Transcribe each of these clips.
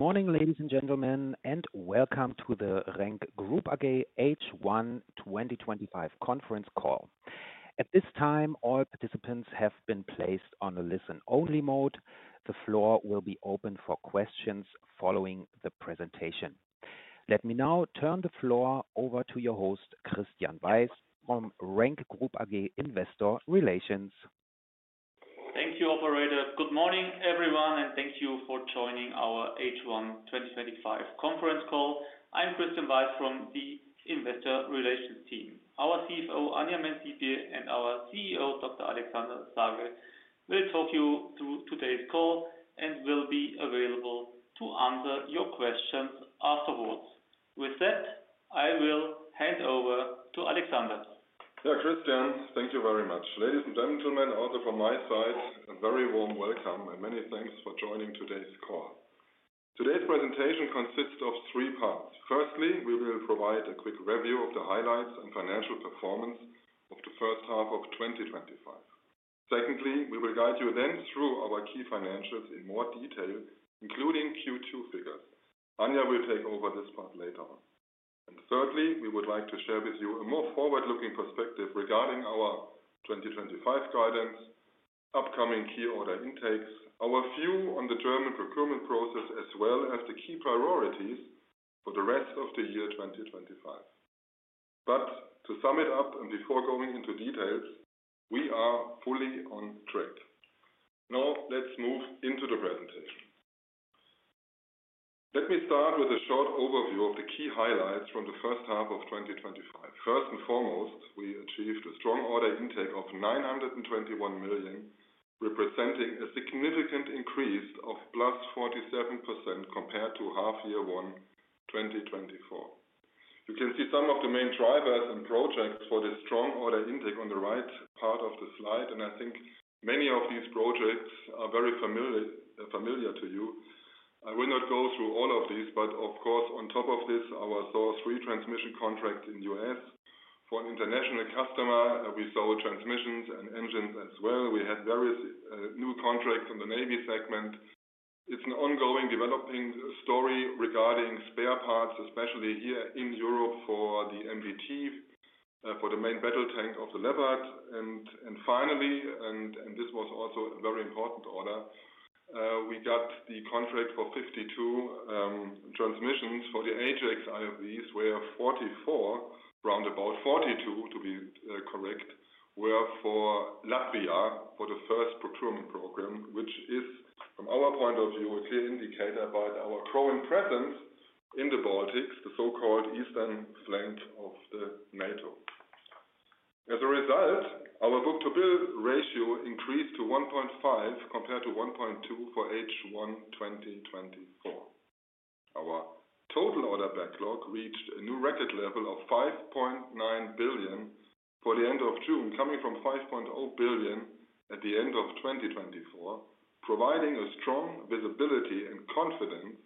Morning, ladies and gentlemen, and welcome to the RENK Group AG H1 2025 Conference Call. At this time, all participants have been placed on the listen-only mode. The floor will be open for questions following the presentation. Let me now turn the floor over to your host, Christian Weiß, from RENK Group AG Investor Relations. Thank you, operator. Good morning, everyone, and thank you for joining our H1 2025 conference call. I'm Christian Weiß from the Investor Relations team. Our CFO, Anja Mänz-Siebje, and our CEO, Dr. Alexander Sagel, will talk you through today's call and will be available to answer your questions afterwards. With that, I will hand over to Alexander. Christian, thank you very much. Ladies and gentlemen, also from my side, a very warm welcome and many thanks for joining today's call. Today's presentation consists of three parts. Firstly, we will provide a quick review of the highlights and financial performance of the first half of 2025. Secondly, we will guide you then through our key financials in more detail, including Q2 figures. Anja will take over this part later on. Thirdly, we would like to share with you a more forward-looking perspective regarding our 2025 guidance, upcoming key order intakes, our view on the German procurement process, as well as the key priorities for the rest of the year 2025. To sum it up, and before going into details, we are fully on track. Now, let's move into the presentation. Let me start with a short overview of the key highlights from the first half of 2025. First and foremost, we achieved a strong order intake of 921 million, representing a significant increase of +47% compared to half-year one 2024. You can see some of the main drivers and projects for this strong order intake on the right part of the slide, and I think many of these projects are very familiar to you. I will not go through all of these, but of course, on top of this, our source transmission contract in the U.S. For an international customer, we sold transmissions and engines as well. We had various new contracts on the Navy segment. It is an ongoing developing story regarding spare parts, especially here in Europe for the MBT, for the main battle tank of the Leopard. Finally, and this was also a very important order, we got the contract for 52 transmissions for the Ajax IFVs, where 44, round about 42 to be correct, were for Latvia for the first procurement program, which is, from our point of view, a clear indicator of our growing presence in the Baltics, the so-called eastern flank of NATO. As a result, our book-to-bill ratio increased to 1.5 compared to 1.2 for H1 2024. Our total order backlog reached a new record level of 5.9 billion for the end of June, coming from 5.0 billion at the end of 2024, providing a strong visibility and confidence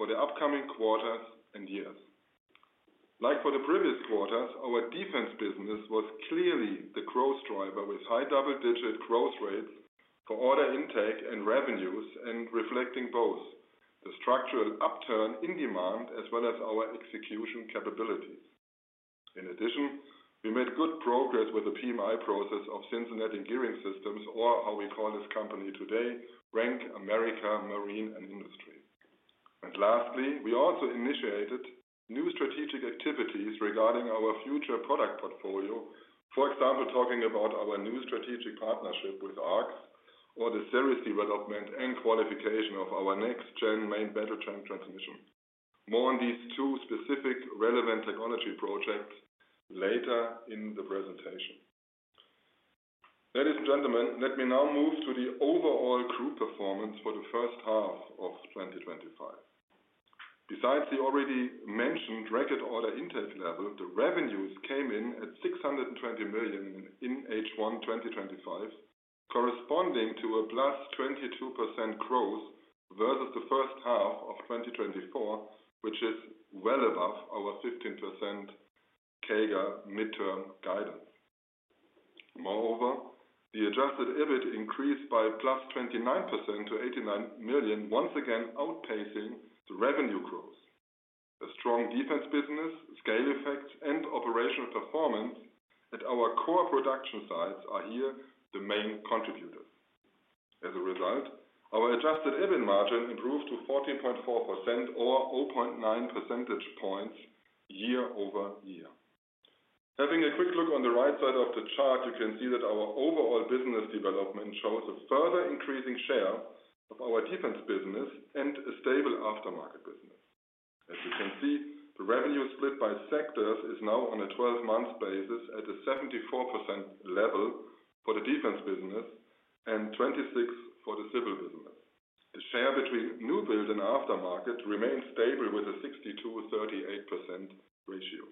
for the upcoming quarters and years. Like for the previous quarters, our defense segment was clearly the growth driver with high double-digit growth rates for order intake and revenues, and reflecting both the structural upturn in demand as well as our execution capabilities. In addition, we made good progress with the PMI process of SensorNet Engineering Systems, or how we call this company today, RENK America Marine & Industry. Lastly, we also initiated new strategic activities regarding our future product portfolio, for example, talking about our new strategic partnership with ARC or the series development and qualification of our next-gen main battle tank transmission. More on these two specific relevant technology projects later in the presentation. Ladies and gentlemen, let me now move to the overall group performance for the first half of 2025. Besides the already mentioned record order intake level, the revenues came in at 620 million in H1 2025, corresponding to a +22% growth versus the first half of 2024, which is well above our 15% CAGR midterm guidance. Moreover, the adjusted EBIT increased by +29% to 89 million, once again outpacing the revenue growth. A strong defense business, scale effects, and operational performance at our core production sites are here the main contributors. As a result, our adjusted EBIT margin improved to 14.4%, or 0.9 percentage points year-over-year. Having a quick look on the right side of the chart, you can see that our overall business development shows a further increasing share of our defense business and a stable aftermarket business. As you can see, the revenue split by sectors is now on a 12-month basis at a 74% level for the defense business and 26% for the civil business. The share between new build and aftermarket remains stable with a 62%-38% ratio.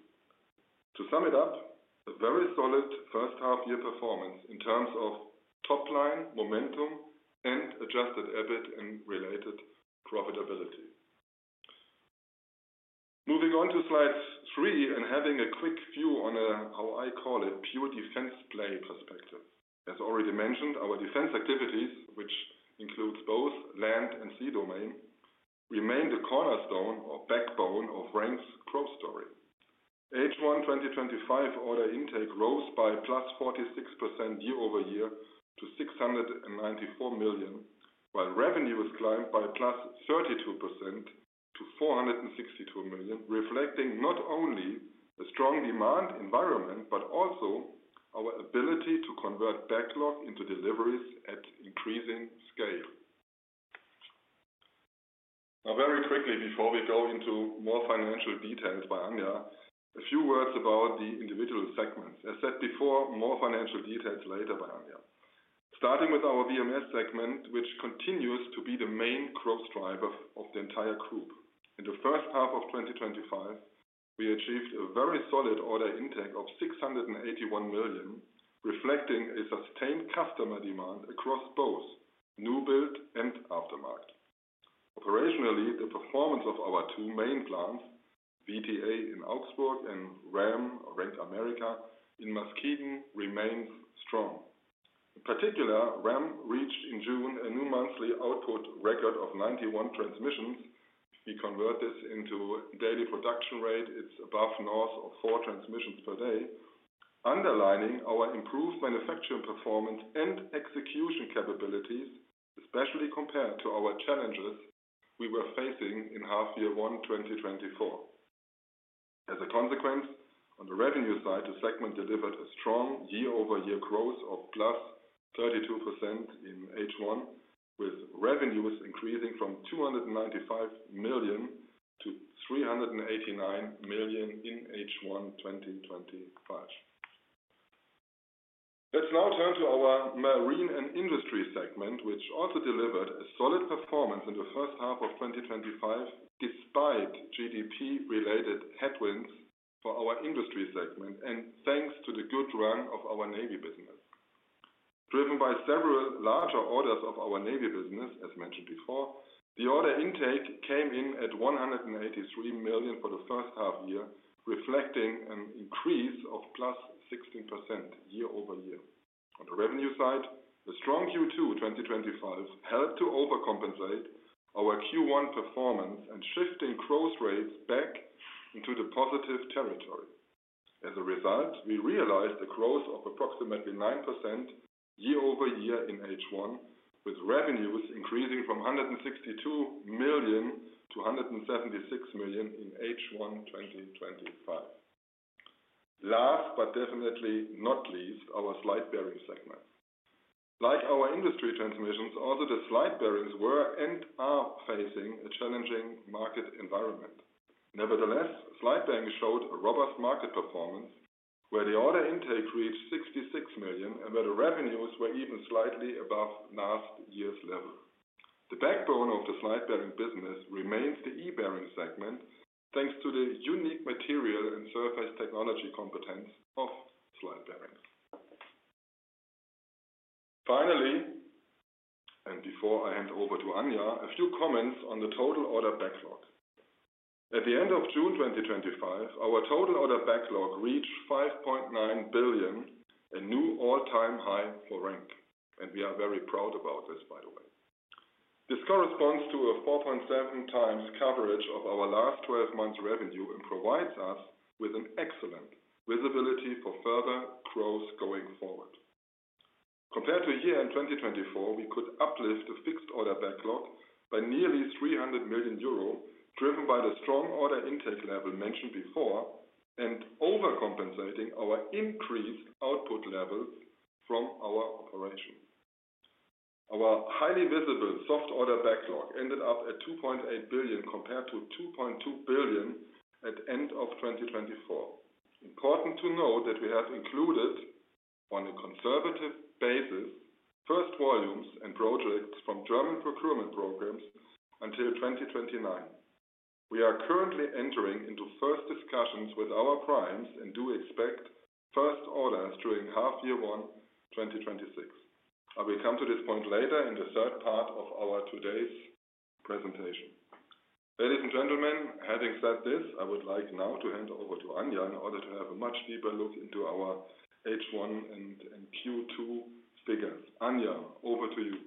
To sum it up, a very solid first half-year performance in terms of top line, momentum, and adjusted EBIT and related profitability. Moving on to slide three and having a quick view on how I call it pure defense play perspective. As already mentioned, our defense activities, which include both land and sea domain, remain the cornerstone or backbone of RENK's growth story. H1 2025 order intake rose by +46% year-over-year to 694 million, while revenues climbed by +32% to 462 million, reflecting not only a strong demand environment but also our ability to convert backlog into deliveries at increasing scale. Now, very quickly, before we go into more financial details by Anja, a few words about the individual segments. As said before, more financial details later by Anja. Starting with our VMS segment, which continues to be the main growth driver of the entire group. In the first half of 2025, we achieved a very solid order intake of 681 million, reflecting a sustained customer demand across both new build and aftermarket. Operationally, the performance of our two main plants, VTA in Augsburg and RENK America in Muskegon, remains strong. In particular, RENK America reached in June a new monthly output record of 91 transmissions. If we convert this into daily production rate, it's above norms of four transmissions per day, underlining our improved manufacturing performance and execution capabilities, especially compared to our challenges we were facing in half-year one 2024. As a consequence, on the revenue side, the segment delivered a strong year-over-year growth of +32% in H1, with revenues increasing from 295 million- 389 million in H1 2025. Let's now turn to our marine and industry segment, which also delivered a solid performance in the first half of 2025, despite GDP-related headwinds for our industry segment and thanks to the good run of our Navy business. Driven by several larger orders of our Navy business, as mentioned before, the order intake came in at 183 million for the first half year, reflecting an increase of +16% year-over-year. On the revenue side, the strong Q2 2025 helped to overcompensate our Q1 performance and shifting growth rates back into the positive territory. As a result, we realized the growth of approximately 9% year-over-year in H1, with revenues increasing from 162 million- 176 million in H1 2025. Last but definitely not least, our slide bearing segments. Like our industry transmissions, also the slide bearings were and are facing a challenging market environment. Nevertheless, slide bearings showed a robust market performance where the order intake reached 66 million and where the revenues were even slightly above last year's level. The backbone of the slide bearing business remains the e-bearing segment, thanks to the unique material and surface technology competence of slide bearings. Finally, and before I hand over to Anja, a few comments on the total order backlog. At the end of June 2025, our total order backlog reached 5.9 billion, a new all-time high for RENK, and we are very proud about this, by the way. This corresponds to a 4.7x coverage of our last 12 months' revenue and provides us with an excellent visibility for further growth going forward. Compared to a year in 2024, we could uplift the fixed order backlog by nearly 300 million euro, driven by the strong order intake level mentioned before and overcompensating our increased output level from our operation. Our highly visible soft order backlog ended up at 2.8 billion compared to 2.2 billion at the end of 2024. Important to note that we have included, on a conservative basis, first volumes and projects from German procurement programs until 2029. We are currently entering into first discussions with our primes and do expect first orders during half-year one 2026. I will come to this point later in the third part of our today's presentation. Ladies and gentlemen, having said this, I would like now to hand over to Anja in order to have a much deeper look into our H1 and Q2 figures. Anja, over to you.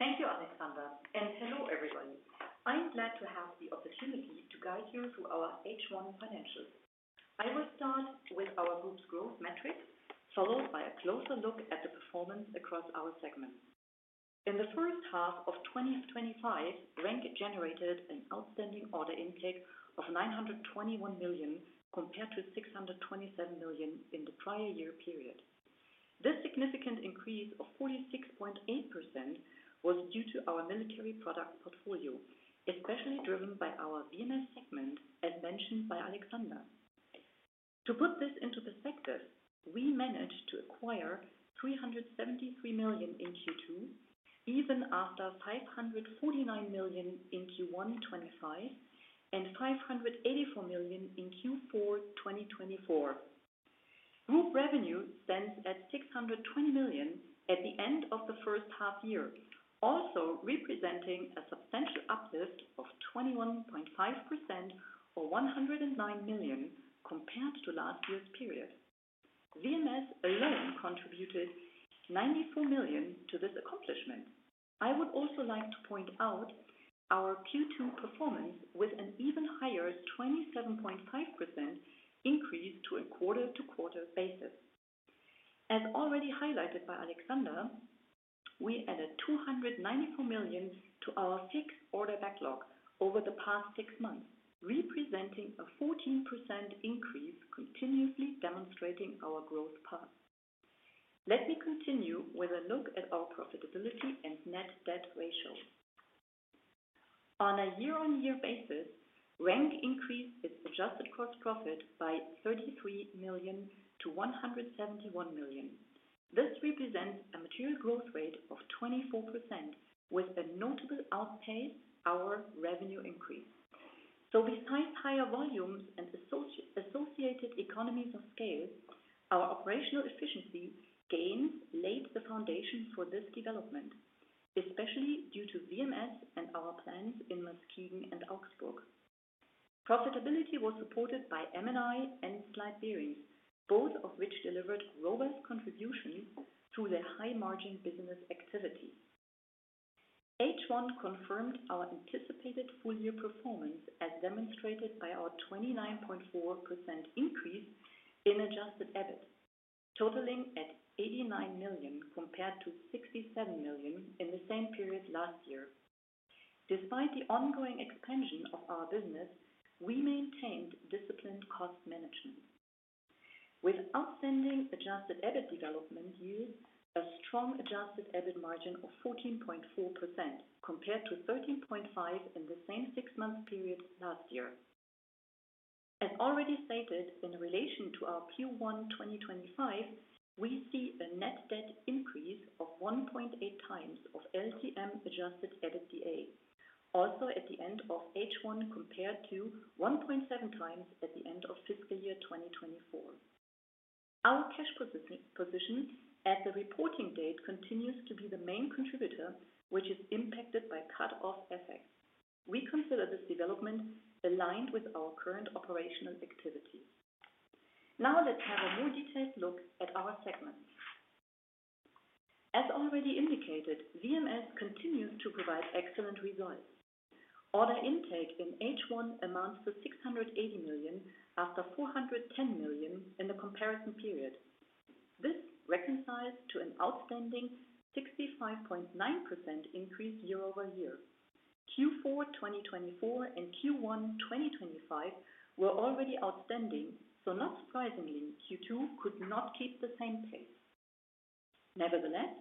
Thank you, Alexander, and hello everybody. I'm glad to have the opportunity to guide you through our H1 financials. I will start with our group's growth metrics, followed by a closer look at the performance across our segments. In the first half of 2025, RENK generated an outstanding order intake of 921 million compared to 627 million in the prior year period. This significant increase of 46.8% was due to our military product portfolio, especially driven by our VMS segment, as mentioned by Alexander. To put this into perspective, we managed to acquire 373 million in Q2, even after 549 million in Q1 2025, and 584 million in Q4 2024. Group revenue stands at 620 million at the end of the first half year, also representing a substantial uplift of 21.5% or 109 million compared to last year's period. VMS alone contributed 94 million to this accomplishment. I would also like to point out our Q2 performance with an even higher 27.5% increase on a quarter-to-quarter basis. As already highlighted by Alexander, we added 294 million to our fixed order backlog over the past six months, representing a 14% increase, continuously demonstrating our growth path. Let me continue with a look at our profitability and net debt ratio. On a year-on-year basis, RENK increased its adjusted gross profit by 33 million-171 million. This represents a material growth rate of 24%, with a notable outpace of our revenue increase. Besides higher volumes and associated economies of scale, our operational efficiency gains laid the foundation for this development, especially due to VMS and our plans in Muskegon and Augsburg. Profitability was supported by M&I and slide bearings, both of which delivered robust contributions through their high-margin business activity. H1 confirmed our anticipated full-year performance as demonstrated by our 29.4% increase in adjusted EBIT, totaling 89 million compared to 67 million in the same period last year. Despite the ongoing expansion of our business, we maintained disciplined cost management with outstanding adjusted EBIT development yield, a strong adjusted EBIT margin of 14.4% compared to 13.5% in the same six-month period last year. As already stated, in relation to our Q1 2025, we see a net debt increase of 1.8x of LTM adjusted EBITDA, also at the end of H1 compared to 1.7x at the end of fiscal year 2024. Our cash position at the reporting date continues to be the main contributor, which is impacted by cut-off effects. We consider this development aligned with our current operational activities. Now, let's have a more detailed look at our segments. As already indicated, VMS continues to provide excellent results. Order intake in H1 amounts to 680 million after 410 million in the comparison period. This reconciles to an outstanding 65.9% increase year-over-year. Q4 2024 and Q1 2025 were already outstanding, so not surprisingly, Q2 could not keep the same pace. Nevertheless,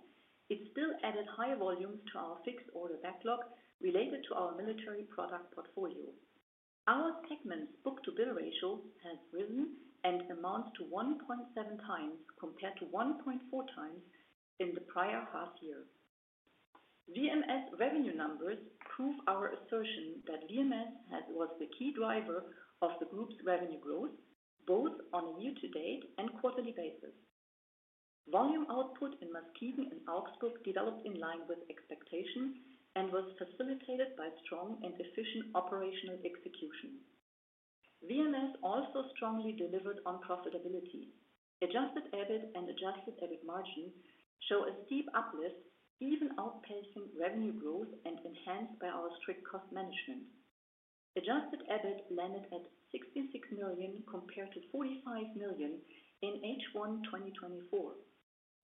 it still added high volumes to our fixed order backlog related to our military product portfolio. Our segment's book-to-bill ratio has risen and amounts to 1.7x compared to 1.4x in the prior half year. VMS revenue numbers prove our assertion that VMS was the key driver of the group's revenue growth, both on a year-to-date and quarterly basis. Volume output in Muskegon and Augsburg developed in line with expectation and was facilitated by strong and efficient operational execution. VMS also strongly delivered on profitability. Adjusted EBIT and adjusted EBIT margin show a steep uplift, even outpacing revenue growth and enhanced by our strict cost management. Adjusted EBIT landed at 66 million compared to 45 million in H1 2024.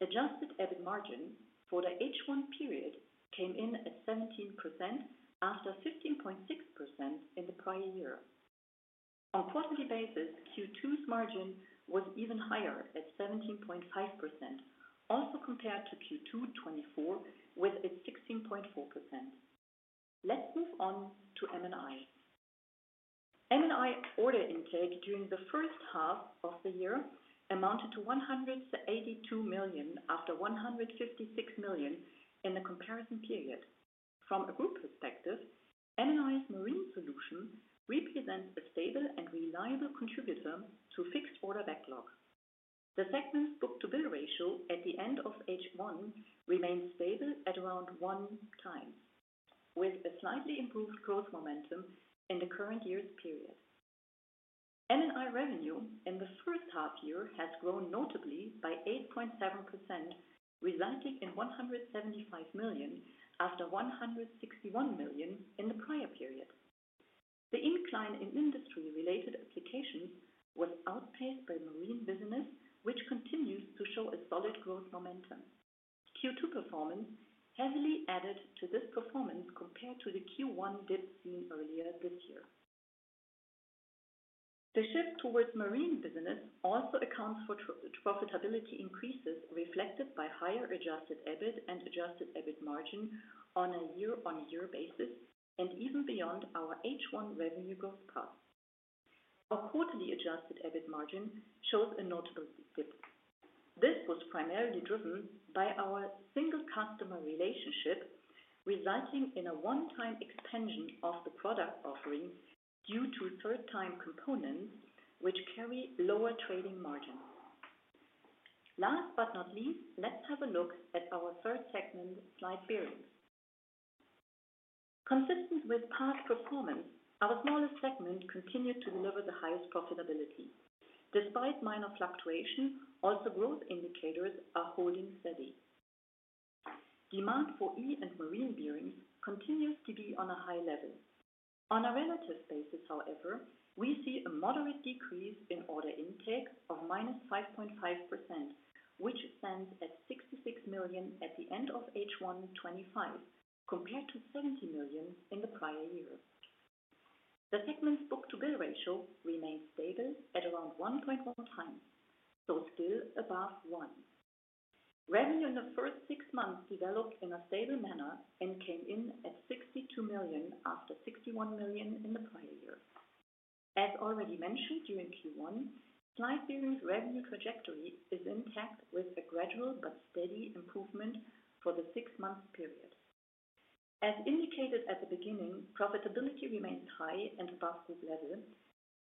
Adjusted EBIT margin for the H1 period came in at 17% after 15.6% in the prior year. On a quarterly basis, Q2's margin was even higher at 17.5%, also compared to Q2 2024, with it 16.4%. Let's move on to M&I. M&I order intake during the first half of the year amounted to 182 million after 156 million in the comparison period. From a group perspective, M&I's marine solution represents a stable and reliable contributor to fixed order backlogs. The segment's book-to-bill ratio at the end of H1 remains stable at around one time, with a slightly improved growth momentum in the current year's period. M&I revenue in the first half year has grown notably by 8.7%, resulting in 175 million after 161 million in the prior period. The incline in industry-related applications was outpaced by marine business, which continues to show a solid growth momentum. Q2 performance heavily added to this performance compared to the Q1 dip seen earlier this year. The shift towards marine business also accounts for profitability increases reflected by higher adjusted EBIT and adjusted EBIT margin on a year-on-year basis, and even beyond our H1 revenue growth path. A quarterly adjusted EBIT margin shows a notable dip. This was primarily driven by our single customer relationship, resulting in a one-time expansion of the product offerings due to third-time components which carry lower trading margins. Last but not least, let's have a look at our third segment, slide bearings. Consistent with past performance, our smallest segment continued to deliver the highest profitability. Despite minor fluctuation, also growth indicators are holding steady. Demand for E and marine bearings continues to be on a high level. On a relative basis, however, we see a moderate decrease in order intake of -5.5%, which stands at 66 million at the end of H1 2025, compared to 70 million in the prior year. The segment's book-to-bill ratio remains stable at around 1.1x, still above one. Revenue in the first six months developed in a stable manner and came in at 62 million after 61 million in the prior year. As already mentioned during Q1, slide bearings' revenue trajectory is intact with a gradual but steady improvement for the six-month period. As indicated at the beginning, profitability remains high and above this level,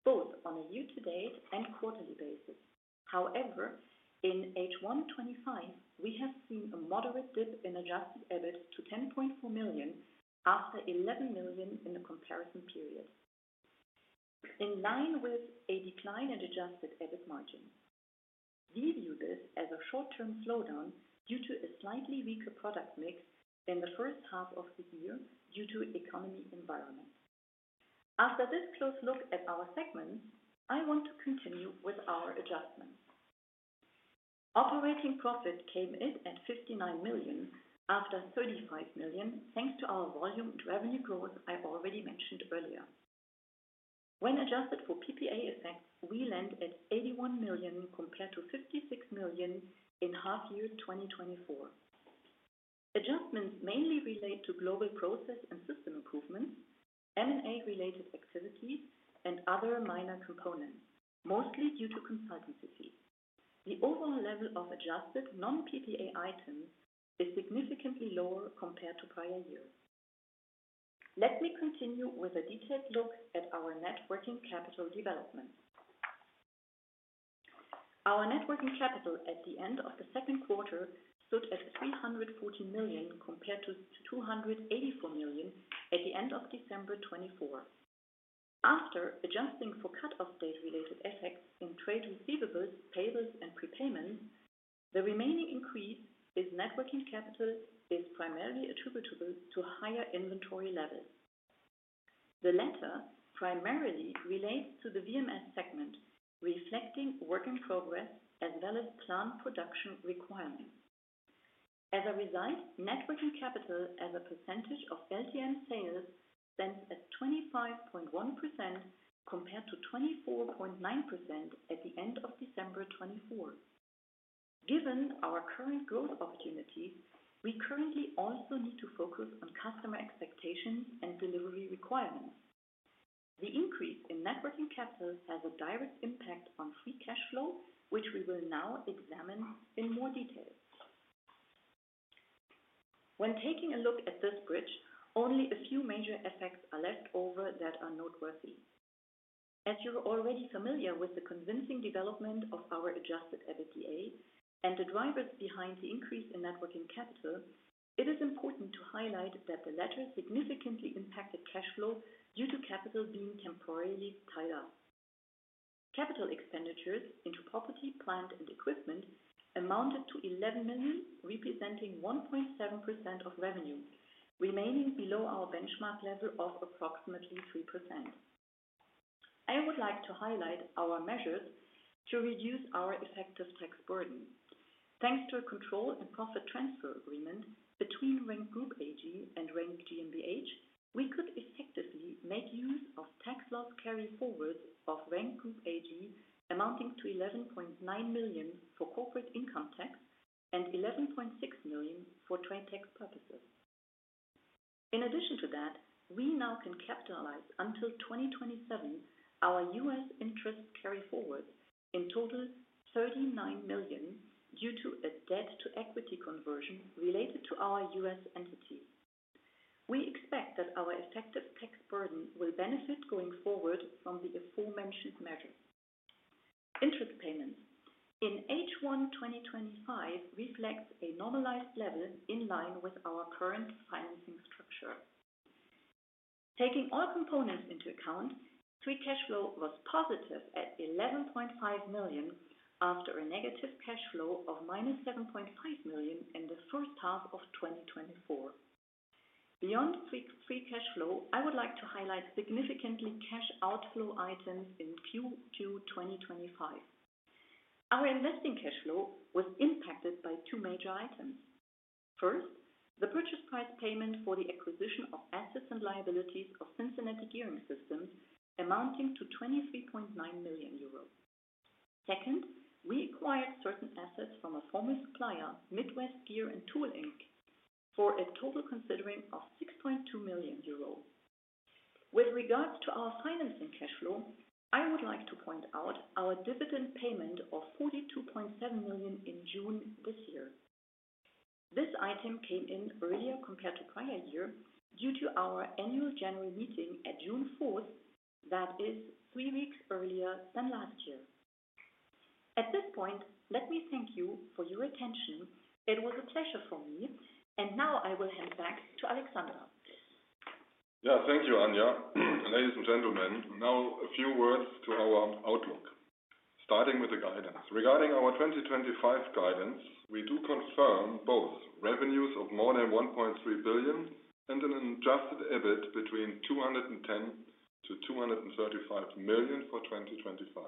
both on a year-to-date and quarterly basis. However, in H1 2025, we have seen a moderate dip in adjusted EBIT to 10.4 million after 11 million in the comparison period, in line with a decline in adjusted EBIT margin. We view this as a short-term slowdown due to a slightly weaker product mix in the first half of this year due to the economic environment. After this close look at our segment, I want to continue with our adjustments. Operating profit came in at 59 million after 35 million, thanks to our volume and revenue growth I already mentioned earlier. When adjusted for PPA effects, we land at 81 million compared to 56 million in half-year 2024. Adjustments mainly relate to global process and system improvements, M&A-related activities, and other minor components, mostly due to consultancy fees. The overall level of adjusted non-PPA items is significantly lower compared to prior years. Let me continue with a detailed look at our net working capital development. Our net working capital at the end of the second quarter stood at 340 million compared to 284 million at the end of December 2024. After adjusting for cut-off date-related effects in trade receivables, payables, and prepayments, the remaining increase in net working capital is primarily attributable to higher inventory levels. The latter primarily relates to the VMS segment, reflecting work in progress as well as planned production requirements. As a result, net working capital as a % of LTM sales stands at 25.1% compared to 24.9% at the end of December 2024. Given our current growth opportunity, we currently also need to focus on customer expectations and delivery requirements. The increase in net working capital has a direct impact on free cash flow, which we will now examine in more detail. When taking a look at this bridge, only a few major effects are left over that are noteworthy. As you're already familiar with the convincing development of our adjusted EBITDA and the drivers behind the increase in net working capital, it is important to highlight that the latter significantly impacted cash flow due to capital being temporarily tied up. Capital expenditures into property, plant, and equipment amounted to 11 million, representing 1.7% of revenue, remaining below our benchmark level of approximately 3%. I would like to highlight our measures to reduce our effective tax burden. Thanks to a control and profit transfer agreement between RENK Group AG and RENK GmbH, we could effectively make use of tax loss carryforwards of RENK AG amounting to 11.9 million for corporate income tax and 11.6 million for trade tax purposes. In addition to that, we now can capitalize until 2027 our U.S. interest carryforwards in total 39 million due to a debt-to-equity conversion related to our U.S. entities. We expect that our effective tax burden will benefit going forward from the aforementioned measures. Interest payments in H1 2025 reflect a normalized level in line with our current financing structure. Taking all components into account, free cash flow was positive at 11.5 million after a negative cash flow of -7.5 million in the first half of 2024. Beyond free cash flow, I would like to highlight significant cash outflow items in Q2 2025. Our investing cash flow was impacted by two major items. First, the purchase price payment for the acquisition of assets and liabilities of Cincinnati Gearing Systems amounting to 23.9 million euros. Second, we acquired certain assets from a former supplier, Midwest Gear and Tool Inc., for a total consideration of 6.2 million euros. With regards to our financing cash flow, I would like to point out our dividend payment of 42.7 million in June this year. This item came in earlier compared to prior year due to our annual January meeting at June 4th, that is three weeks earlier than last year. At this point, let me thank you for your attention. It was a pleasure for me, and now I will hand back to Alexander. Yeah, thank you, Anja. Ladies and gentlemen, now a few words to our outlook. Starting with the guidance. Regarding our 2025 guidance, we do confirm both revenues of more than 1.3 billion and an adjusted EBIT between 210 million-235 million for 2025.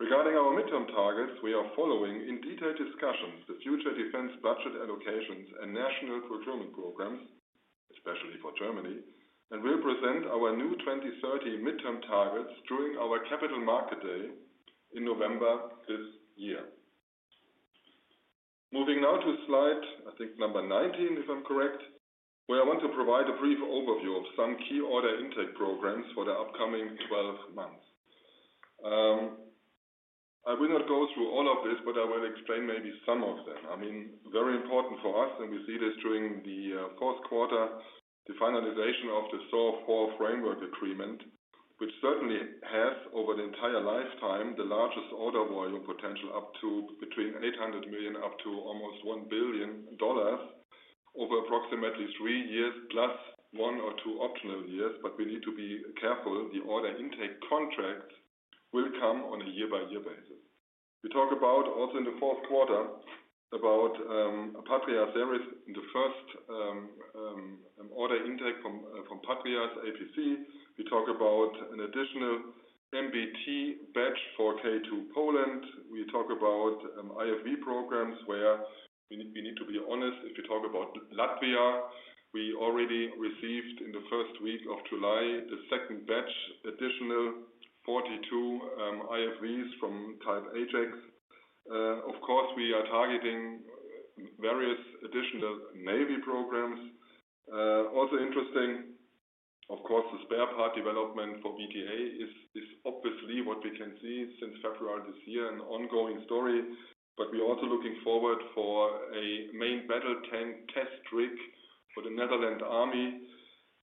Regarding our midterm targets, we are following in detailed discussions the future defense budget allocations and national procurement programs, especially for Germany, and will present our new 2030 midterm targets during our Capital Market Day in November this year. Moving now to slide, I think number 19, if I'm correct, where I want to provide a brief overview of some key order intake programs for the upcoming 12 months. I will not go through all of this, but I will explain maybe some of them. Very important for us, and we see this during the fourth quarter, the finalization of the SOAR 4 framework agreement, which certainly has over the entire lifetime the largest order volume potential up to between $800 million up to almost $1 billion over approximately three years plus one or two optional years, but we need to be careful. The order intake contracts will come on a year-by-year basis. We talk about also in the fourth quarter about Patria Service in the first order intake from Patria's APC. We talk about an additional MBT batch for K2 Poland. We talk about IFV programs where we need to be honest if we talk about Latvia. We already received in the first week of July the second batch, additional 42 IFVs from Tide Ajax. Of course, we are targeting various additional Navy programs. Also interesting, of course, the spare part development for VTA is obviously what we can see since February this year, an ongoing story, but we are also looking forward for a main battle tank test rig for the Netherlands Army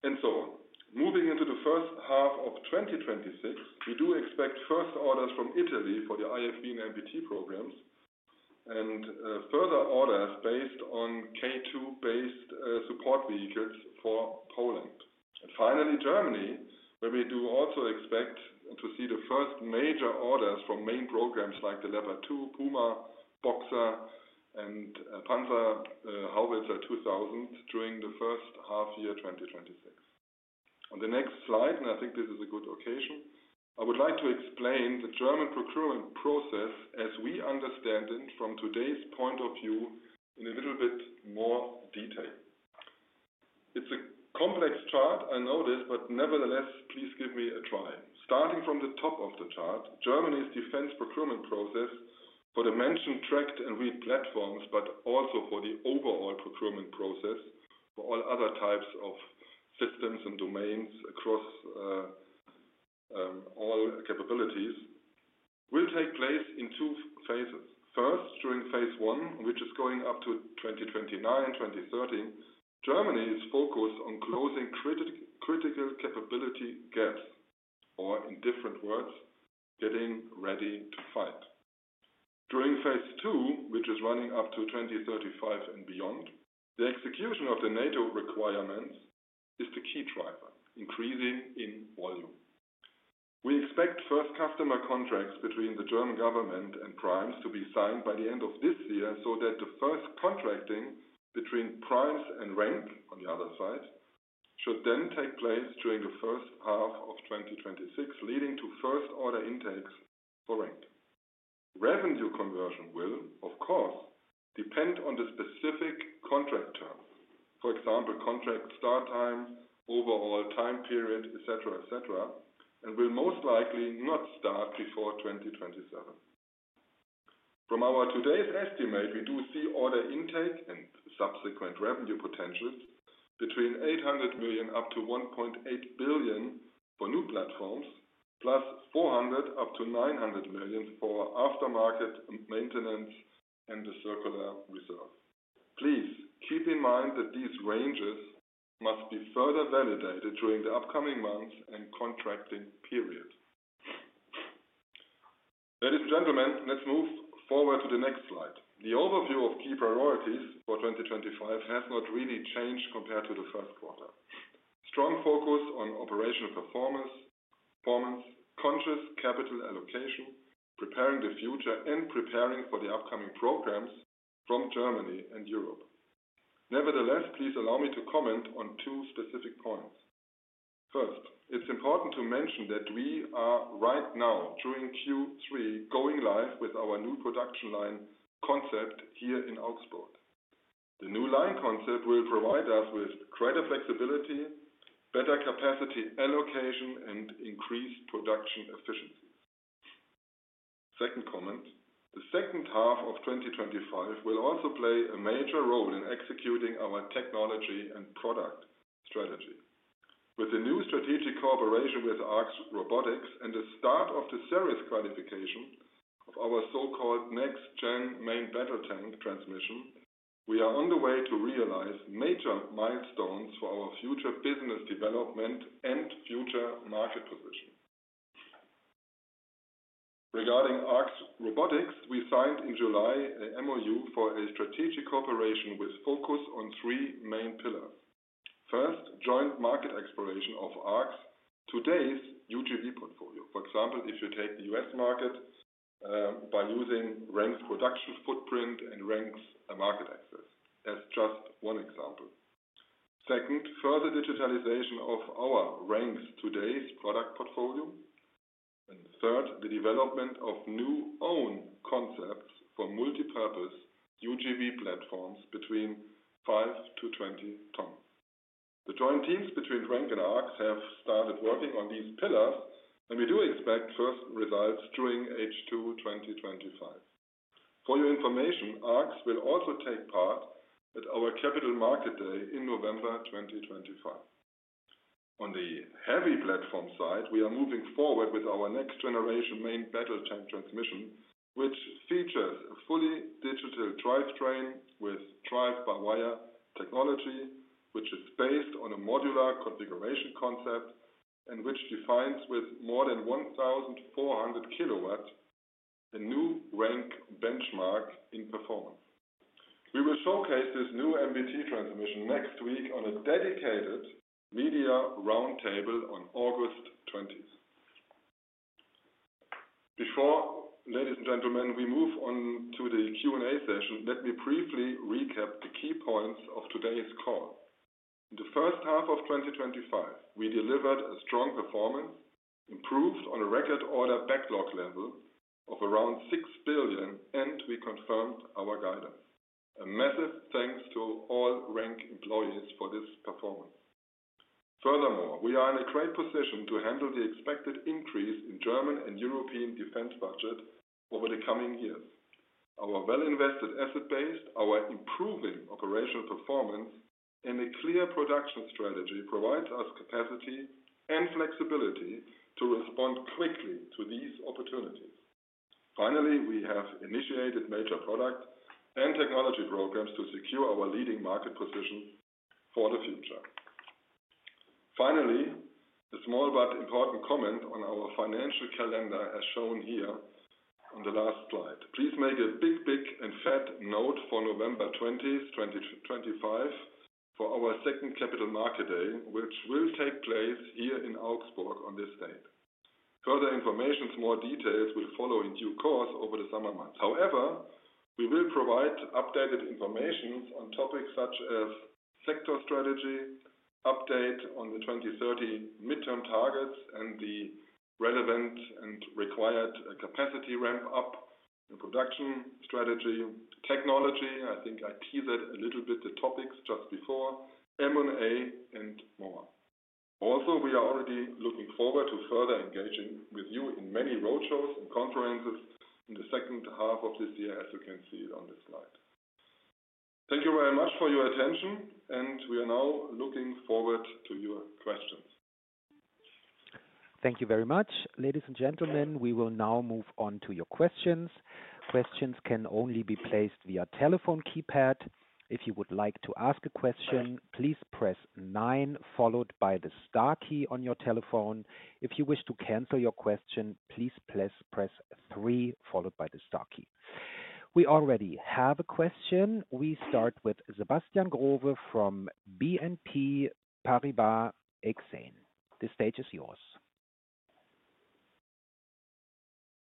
and so on. Moving into the first half of 2026, we do expect first orders from Italy for the IFV and MBT programs and further orders based on K2-based support vehicles for Poland. Finally, Germany, where we do also expect to see the first major orders from main programs like the Leopard 2, Puma, Boxer, and Panzerhaubitze 2000 during the first half year 2026. On the next slide, and I think this is a good occasion, I would like to explain the German procurement process as we understand it from today's point of view in a little bit more detail. It's a complex chart, I know this, but nevertheless, please give me a try. Starting from the top of the chart, Germany's defense procurement process for the mentioned tracked and wheeled platforms, but also for the overall procurement process for all other types of systems and domains across all capabilities, will take place in two phases. First, during phase one, which is going up to 2029, 2030, Germany is focused on closing critical capability gaps, or in different words, getting ready to fight. During phase two, which is running up to 2035 and beyond, the execution of the NATO requirements is the key driver, increasing in volume. We expect first customer contracts between the German government and primes to be signed by the end of this year so that the first contracting between primes and RENK on the other side should then take place during the first half of 2026, leading to first order intakes for RENK. Revenue conversion will, of course, depend on the specific contract terms, for example, contract start time, overall time period, etc., etc., and will most likely not start before 2027. From our today's estimate, we do see order intake and subsequent revenue potentials between 800 million up to 1.8 billion for new platforms, +400 million up to 900 million for aftermarket maintenance and the circular reserve. Please keep in mind that these ranges must be further validated during the upcoming months and contracting period. Ladies and gentlemen, let's move forward to the next slide. The overview of key priorities for 2025 has not really changed compared to the first quarter. Strong focus on operational performance, conscious capital allocation, preparing the future, and preparing for the upcoming programs from Germany and Europe. Nevertheless, please allow me to comment on two specific points. First, it's important to mention that we are right now during Q3 going live with our new production line concept here in Augsburg. The new line concept will provide us with greater flexibility, better capacity allocation, and increased production efficiencies. Second comment, the second half of 2025 will also play a major role in executing our technology and product strategy. With the new strategic cooperation with ARC Robotics and the start of the service qualification of our so-called next-gen main battle tank transmission, we are on the way to realize major milestones for our future business development and future market position. Regarding ARC Robotics, we signed in July an MOU for a strategic cooperation with focus on three main pillars. First, joint market exploration of ARC today's UGV portfolio. For example, if you take the U.S. market by using RENK's production footprint and RENK's market access as just one example. Second, further digitalization of our RENK's today's product portfolio. Third, the development of new own concepts for multipurpose UGV platforms between 5 tons-20 tons. The joint teams between RENK and ARC have started working on these pillars, and we do expect first results during H2 2025. For your information, ARC will also take part at our Capital Market Day in November 2025. On the heavy platform side, we are moving forward with our next-generation main battle tank transmission, which features a fully digital drive train with drive-by-wire technology, which is based on a modular configuration concept and which defines with more than 1,400 kilowatts a new RENK benchmark in performance. We will showcase this new MBT transmission next week on a dedicated media roundtable on August 20th. Before, ladies and gentlemen, we move on to the Q&A session, let me briefly recap the key points of today's call. In the first half of 2025, we delivered a strong performance, improved on a record order backlog level of around 6 billion, and we confirmed our guidance. A massive thanks to all RENK employees for this performance. Furthermore, we are in a great position to handle the expected increase in German and European defense budgets over the coming years. Our well-invested asset base, our improving operational performance, and a clear production strategy provide us capacity and flexibility to respond quickly to these opportunities. Finally, we have initiated major product and technology programs to secure our leading market position for the future. Finally, a small but important comment on our financial calendar as shown here on the last slide. Please make a big, big, and fat note for November 20th, 2025, for our second Capital Market Day, which will take place here in Augsburg on this date. Further information and more details will follow in due course over the summer months. However, we will provide updated information on topics such as sector strategy, update on the 2030 midterm targets, and the relevant and required capacity ramp-up, the production strategy, technology. I think I teased a little bit the topics just before, M&A, and more. Also, we are already looking forward to further engaging with you in many roadshows and conferences in the second half of this year, as you can see on this slide. Thank you very much for your attention, and we are now looking forward to your questions. Thank you very much. Ladies and gentlemen, we will now move on to your questions. Questions can only be placed via telephone keypad. If you would like to ask a question, please press nine, followed by the star key on your telephone. If you wish to cancel your question, please press three, followed by the star key. We already have a question. We start with Sebastian Growe from BNP Paribas Exane. The stage is yours.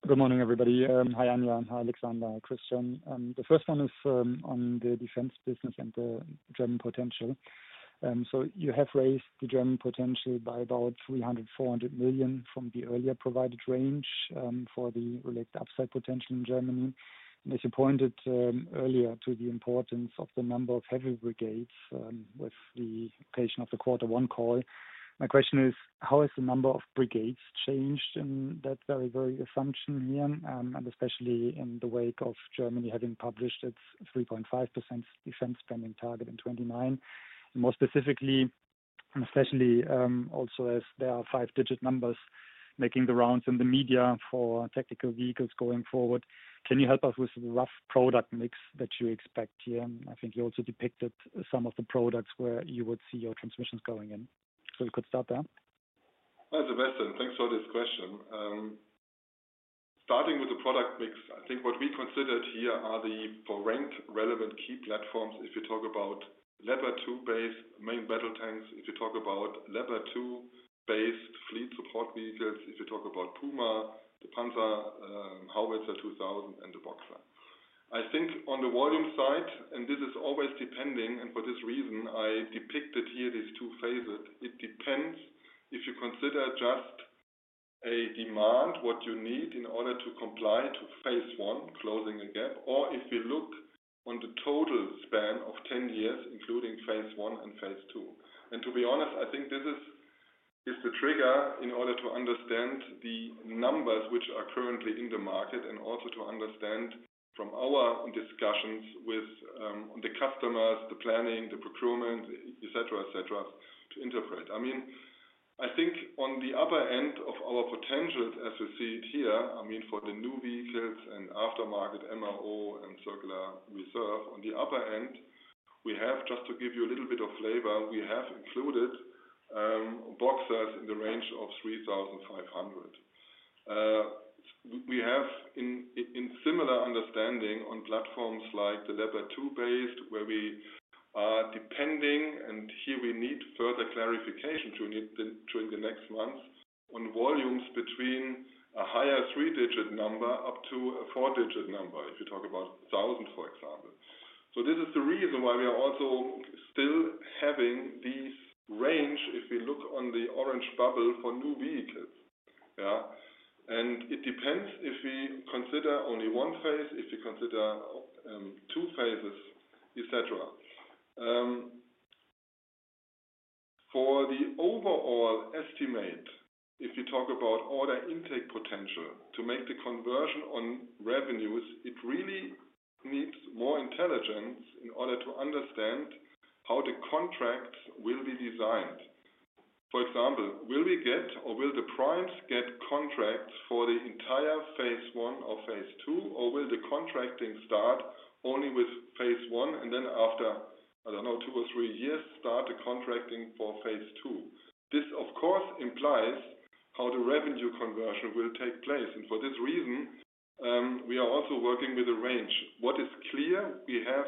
Good morning, everybody. Hi, Anja, and hi, Alexander, Christian. The first one is on the defense business and the German potential. You have raised the German potential by about $300 million, $400 million from the earlier provided range for the related upside potential in Germany. As you pointed earlier to the importance of the number of heavy brigades with the creation of the Q1 call, my question is, how has the number of brigades changed in that very, very assumption here? Especially in the wake of Germany having published its 3.5% defense spending target in 2029. More specifically, and especially also as there are five-digit numbers making the rounds in the media for tactical vehicles going forward, can you help us with the rough product mix that you expect here? I think you also depicted some of the products where you would see your transmissions going in. We could start there. Hi Sebastian, thanks for this question. Starting with the product mix, I think what we considered here are the for RENK relevant key platforms. If you talk about Leopard 2-based main battle tanks, if you talk about Leopard 2-based fleet support vehicles, if you talk about Puma, the Panzerhaubitze 2000, and the Boxer. I think on the volume side, and this is always depending, and for this reason, I depicted here these two phases. It depends if you consider just a demand, what you need in order to comply to phase one, closing a gap, or if you look on the total span of 10 years, including phase one and phase two. To be honest, I think this is the trigger in order to understand the numbers which are currently in the market and also to understand from our discussions with the customers, the planning, the procurement, etc., to interpret. I think on the upper end of our potentials, as you see it here, for the new vehicles and aftermarket MRO and circular reserve, on the upper end, we have, just to give you a little bit of flavor, we have included Boxers in the range of 3,500. We have in similar understanding on platforms like the Leopard 2-based, where we are depending, and here we need further clarification during the next month on volumes between a higher three-digit number up to a four-digit number, if you talk about 1,000, for example. This is the reason why we are also still having this range, if we look on the orange bubble for new vehicles. It depends if we consider only one phase, if we consider two phases, etc. For the overall estimate, if we talk about order intake potential, to make the conversion on revenues, it really needs more intelligence in order to understand how the contracts will be designed. For example, will we get or will the primes get contracts for the entire phase one or phase two, or will the contracting start only with phase one and then after, I don't know, two or three years, start the contracting for phase two? This, of course, implies how the revenue conversion will take place. For this reason, we are also working with a range. What is clear, we have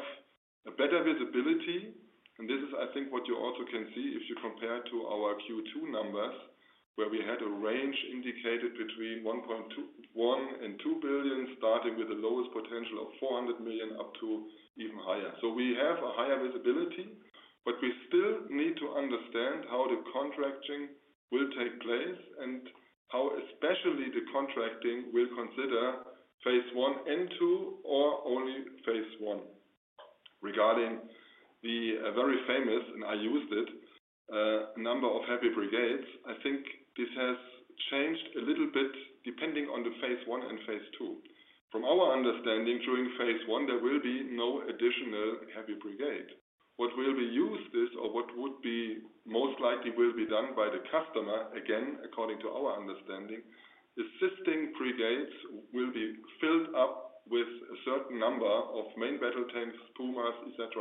a better visibility, and this is, I think, what you also can see if you compare to our Q2 numbers, where we had a range indicated between $1.2 billion and $2 billion, starting with the lowest potential of $400 million up to even higher. We have a higher visibility, but we still need to understand how the contracting will take place and how especially the contracting will consider phase one and two or only phase one. Regarding the very famous, and I used it, number of heavy brigades, I think this has changed a little bit depending on the phase one and phase two. From our understanding, during phase one, there will be no additional heavy brigade. What will be used is, or what most likely will be done by the customer, again, according to our understanding, is existing brigades will be filled up with a certain number of main battle tanks, Pumas, etc.,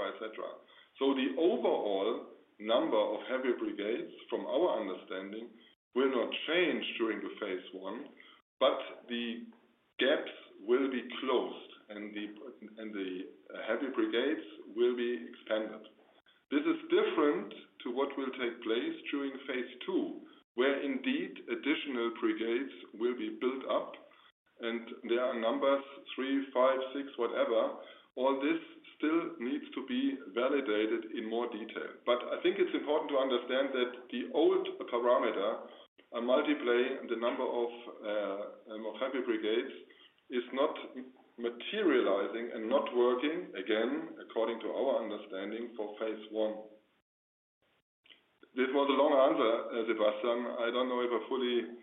etc. The overall number of heavy brigades, from our understanding, will not change during phase one, but the gaps will be closed and the heavy brigades will be expanded. This is different to what will take place during phase two, where indeed additional brigades will be built up and there are numbers three, five, six, whatever. All this still needs to be validated in more detail. I think it's important to understand that the old parameter, a multiply and the number of more heavy brigades, is not materializing and not working, again, according to our understanding, for phase one. This was a long answer, Sebastian. I don't know if I fully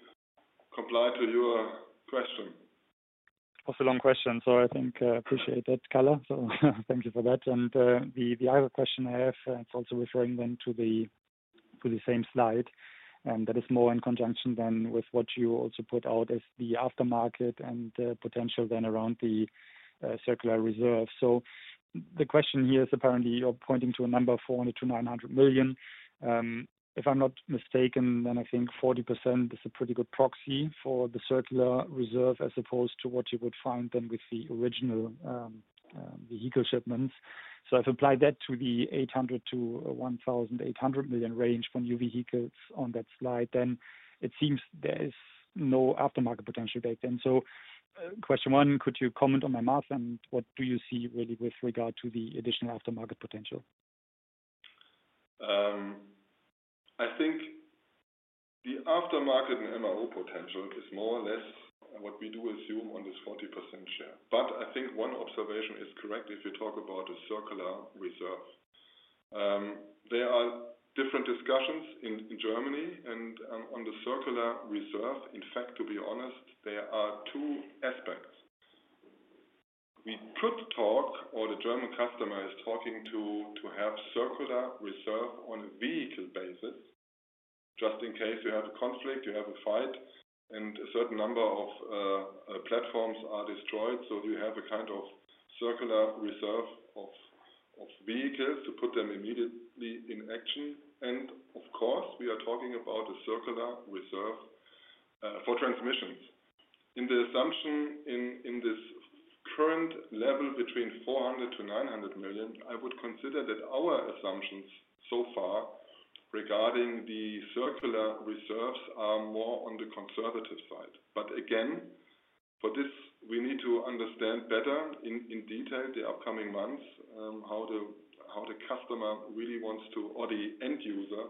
complied to your question. That was a long question, I appreciate that, color. Thank you for that. The other question I have is also referring to the same slide, and that is more in conjunction with what you also put out as the aftermarket and the potential around the circular reserve. The question here is apparently you're pointing to a number of $400 million to $900 million. If I'm not mistaken, I think 40% is a pretty good proxy for the circular reserve as opposed to what you would find with the original vehicle shipments. I've applied that to the $800 million to $1,800 million range for new vehicles on that slide. It seems there is no aftermarket potential back then. Question one, could you comment on my math and what do you see really with regard to the additional aftermarket potential? I think the aftermarket and MRO potential is more or less what we do assume on this 40% share. I think one observation is correct if you talk about the circular reserve. There are different discussions in Germany and on the circular reserve. In fact, to be honest, there are two aspects. We could talk, or the German customer is talking to have circular reserve on a vehicle basis, just in case you have a conflict, you have a fight, and a certain number of platforms are destroyed. You have a kind of circular reserve of vehicles to put them immediately in action. Of course, we are talking about a circular reserve for transmissions. In the assumption in this current level between $400 million to $900 million, I would consider that our assumptions so far regarding the circular reserves are more on the conservative side. For this, we need to understand better in detail the upcoming months, how the customer really wants to, or the end user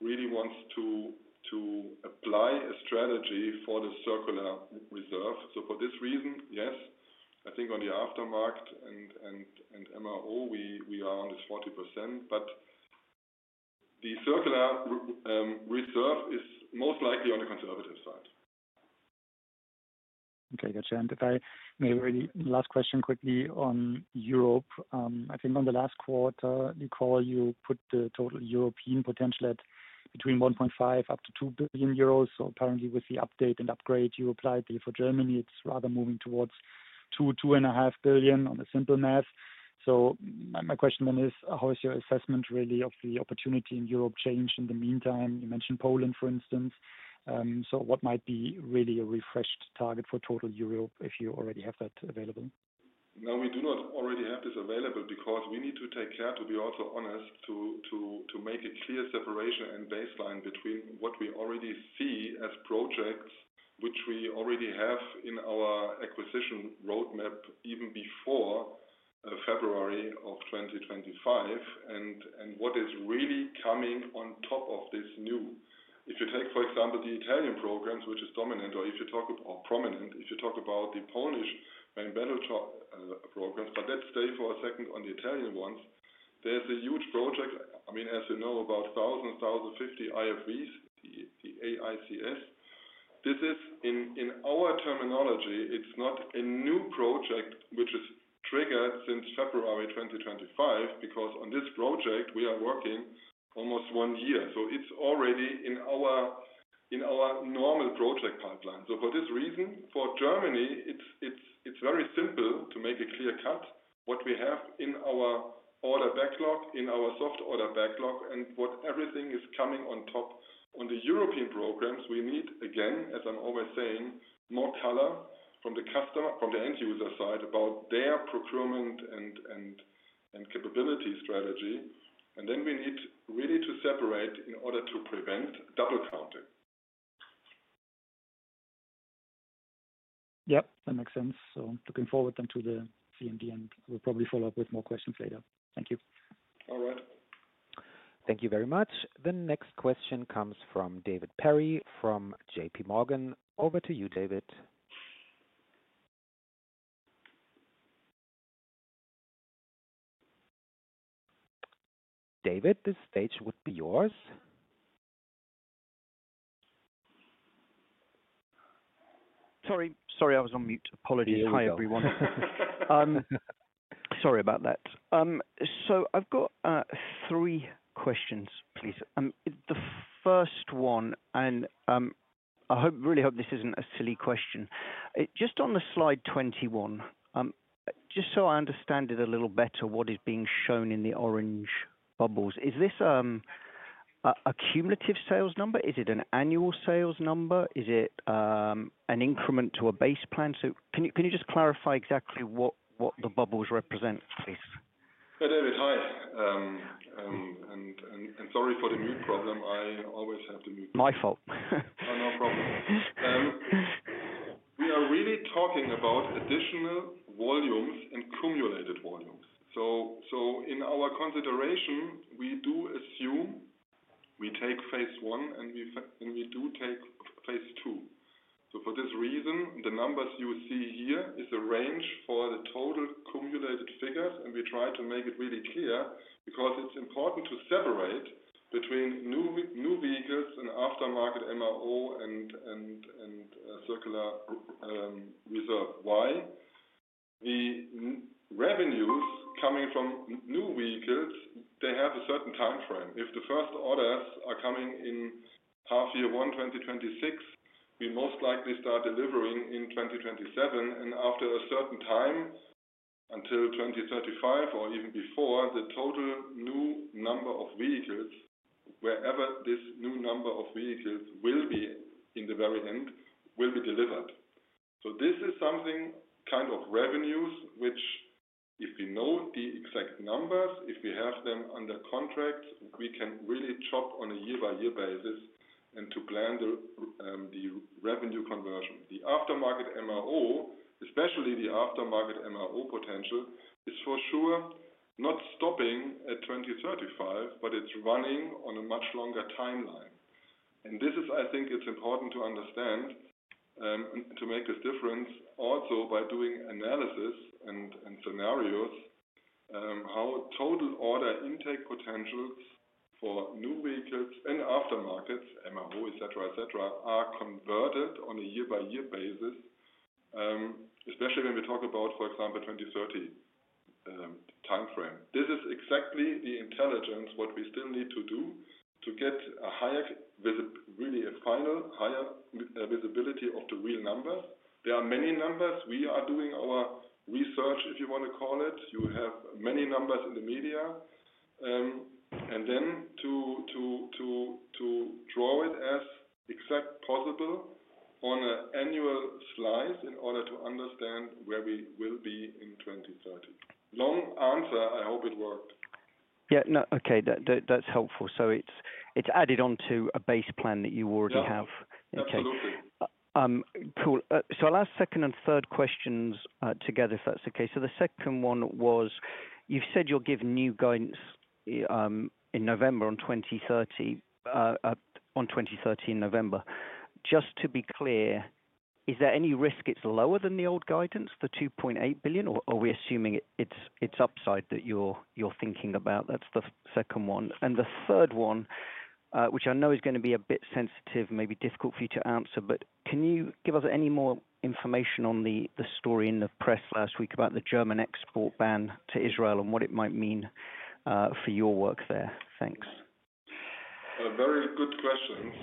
really wants to apply a strategy for the circular reserve. For this reason, yes, I think on the aftermarket and MRO, we are on this 40%, but the circular reserve is most likely on the conservative side. Okay. If I may, really last question quickly on Europe. I think on the last quarter, Nicole, you put the total European potential at between 1.5 billion up to 2 billion euros. Apparently, with the update and upgrade you applied for Germany, it's rather moving towards 2 billion, 2.5 billion on a simple math. My question then is, how is your assessment really of the opportunity in Europe changed in the meantime? You mentioned Poland, for instance. What might be really a refreshed target for total Europe if you already have that available? No, we do not already have this available because we need to take care, to be also honest, to make a clear separation and baseline between what we already see as projects, which we already have in our acquisition roadmap even before February 2025, and what is really coming on top of this new. If you take, for example, the Italian programs, which is dominant, or if you talk about prominent, if you talk about the Polish main battle programs, let's stay for a second on the Italian ones. There's a huge project. I mean, as you know, about 1,000, 1,050 IFVs, the AICS. This is in our terminology. It's not a new project which is triggered since February 2025 because on this project, we are working almost one year. It's already in our normal project pipeline. For this reason, for Germany, it's very simple to make a clear cut what we have in our order backlog, in our soft order backlog, and what everything is coming on top. On the European programs, we need, again, as I'm always saying, more color from the customer, from the end user side about their procurement and capability strategy. We need really to separate in order to prevent double counting. Yeah, that makes sense. Looking forward then to the CMD and we'll probably follow up with more questions later. Thank you. All right. Thank you very much. The next question comes from David Perry from JPMorgan. Over to you, David. David, this stage would be yours. Sorry, I was on mute. Apologies, hi everyone. Sorry about that. I've got three questions, please. The first one, and I really hope this isn't a silly question. Just on slide 21, just so I understand it a little better, what is being shown in the orange bubbles? Is this a cumulative sales number? Is it an annual sales number? Is it an increment to a base plan? Can you just clarify exactly what the bubbles represent, please? Hey David, hi. Sorry for the mute problem. I always have the mute problem. My fault. No, no problem. We are really talking about additional volumes and cumulated volumes. In our consideration, we do assume we take phase one and we do take phase two. For this reason, the numbers you see here is a range for the total cumulated figures. We try to make it really clear because it's important to separate between new vehicles and aftermarket MRO and circular reserve. Why? The revenues coming from new vehicles, they have a certain timeframe. If the first orders are coming in half-year one, 2026, we most likely start delivering in 2027. After a certain time, until 2035 or even before, the total new number of vehicles, wherever this new number of vehicles will be in the very end, will be delivered. This is something, kind of revenues, which if we know the exact numbers, if we have them under contract, we can really chop on a year-by-year basis and plan the revenue conversion. The aftermarket MRO, especially the aftermarket MRO potential, is for sure not stopping at 2035, but it's running on a much longer timeline. I think it's important to understand and to make this difference also by doing analysis and scenarios, how total order intake potentials for new vehicles and aftermarkets, MRO, etc., etc., are converted on a year-by-year basis, especially when we talk about, for example, 2030 timeframe. This is exactly the intelligence, what we still need to do to get a higher, really a final higher visibility of the real numbers. There are many numbers. We are doing our research, if you want to call it. You have many numbers in the media. Then to draw it as exactly possible on an annual slice in order to understand where we will be in 2030. Long answer, I hope it worked. Okay, that's helpful. It's added onto a base plan that you already have. Absolutely. I'll ask second and third questions together, if that's okay. The second one was, you've said you'll give new guidance in November on 2030. Just to be clear, is there any risk it's lower than the old guidance, the $2.8 billion, or are we assuming it's upside that you're thinking about? That's the second one. The third one, which I know is going to be a bit sensitive, maybe difficult for you to answer, but can you give us any more information on the story in the press last week about the German export ban to Israel and what it might mean for your work there? Thanks. Very good questions.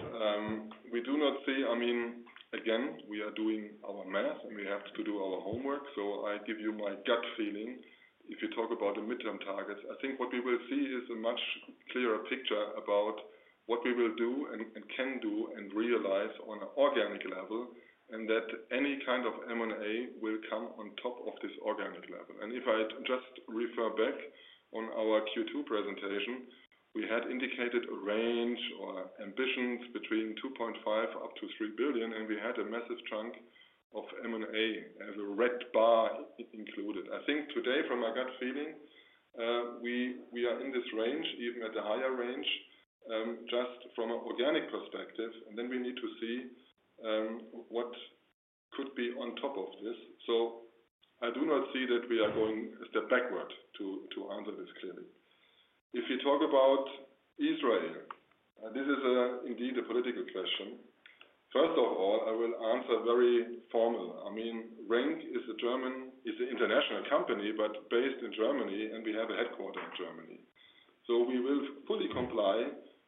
We do not see, I mean, again, we are doing our math and we have to do our homework. I give you my gut feeling. If you talk about the midterm targets, I think what we will see is a much clearer picture about what we will do and can do and realize on an organic level and that any kind of M&A will come on top of this organic level. If I just refer back on our Q2 presentation, we had indicated a range or ambitions between $2.5 billion up to $3 billion, and we had a massive chunk of M&A as a red bar included. I think today, from my gut feeling, we are in this range, even at the higher range, just from an organic perspective. We need to see what could be on top of this. I do not see that we are going a step backward to answer this clearly. If you talk about Israel, this is indeed a political question. First of all, I will answer very formal. RENK is a German, is an international company, but based in Germany, and we have a headquarter in Germany. We will fully comply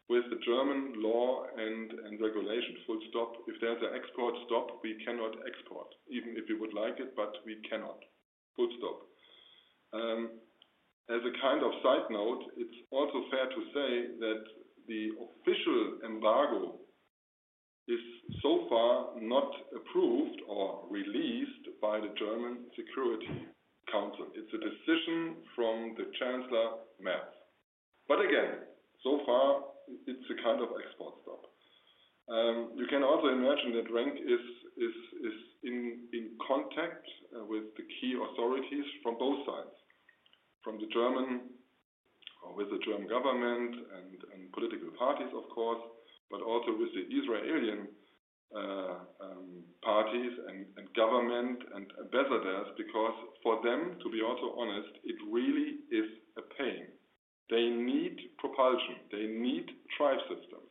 with the German law and regulation. Full stop. If there's an export stop, we cannot export, even if we would like it, but we cannot. Full stop. As a kind of side note, it's also fair to say that the official embargo is so far not approved or released by the German Security Council. It's a decision from the Chancellor Merz. So far, it's a kind of export stop. You can also imagine that RENK is in contact with the key authorities from both sides, from the German or with the German government and political parties, of course, but also with the Israeli parties and government and ambassadors, because for them, to be also honest, it really is a pain. They need propulsion. They need drive systems.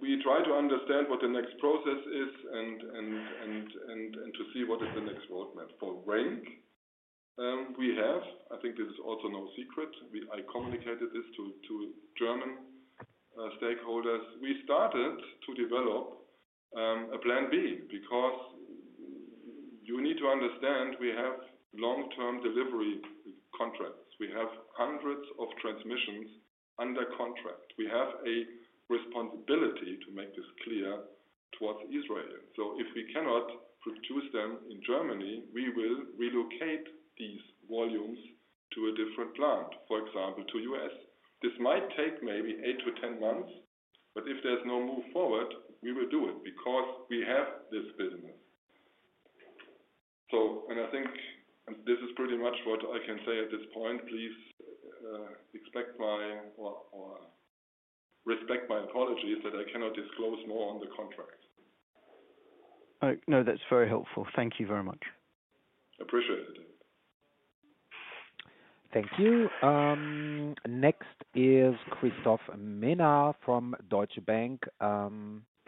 We try to understand what the next process is and to see what is the next roadmap. For RENK, we have, I think this is also no secret, I communicated this to German stakeholders, we started to develop a plan B because you need to understand we have long-term delivery contracts. We have hundreds of transmissions under contract. We have a responsibility to make this clear towards Israel. If we cannot produce them in Germany, we will relocate these volumes to a different plant, for example, to the U.S. This might take maybe eight to ten months, but if there's no move forward, we will do it because we have this business. I think this is pretty much what I can say at this point. Please expect my or respect my apologies that I cannot disclose more on the contracts. No, that's very helpful. Thank you very much. Appreciate it. Thank you. Next is Christoph Menard from Deutsche Bank.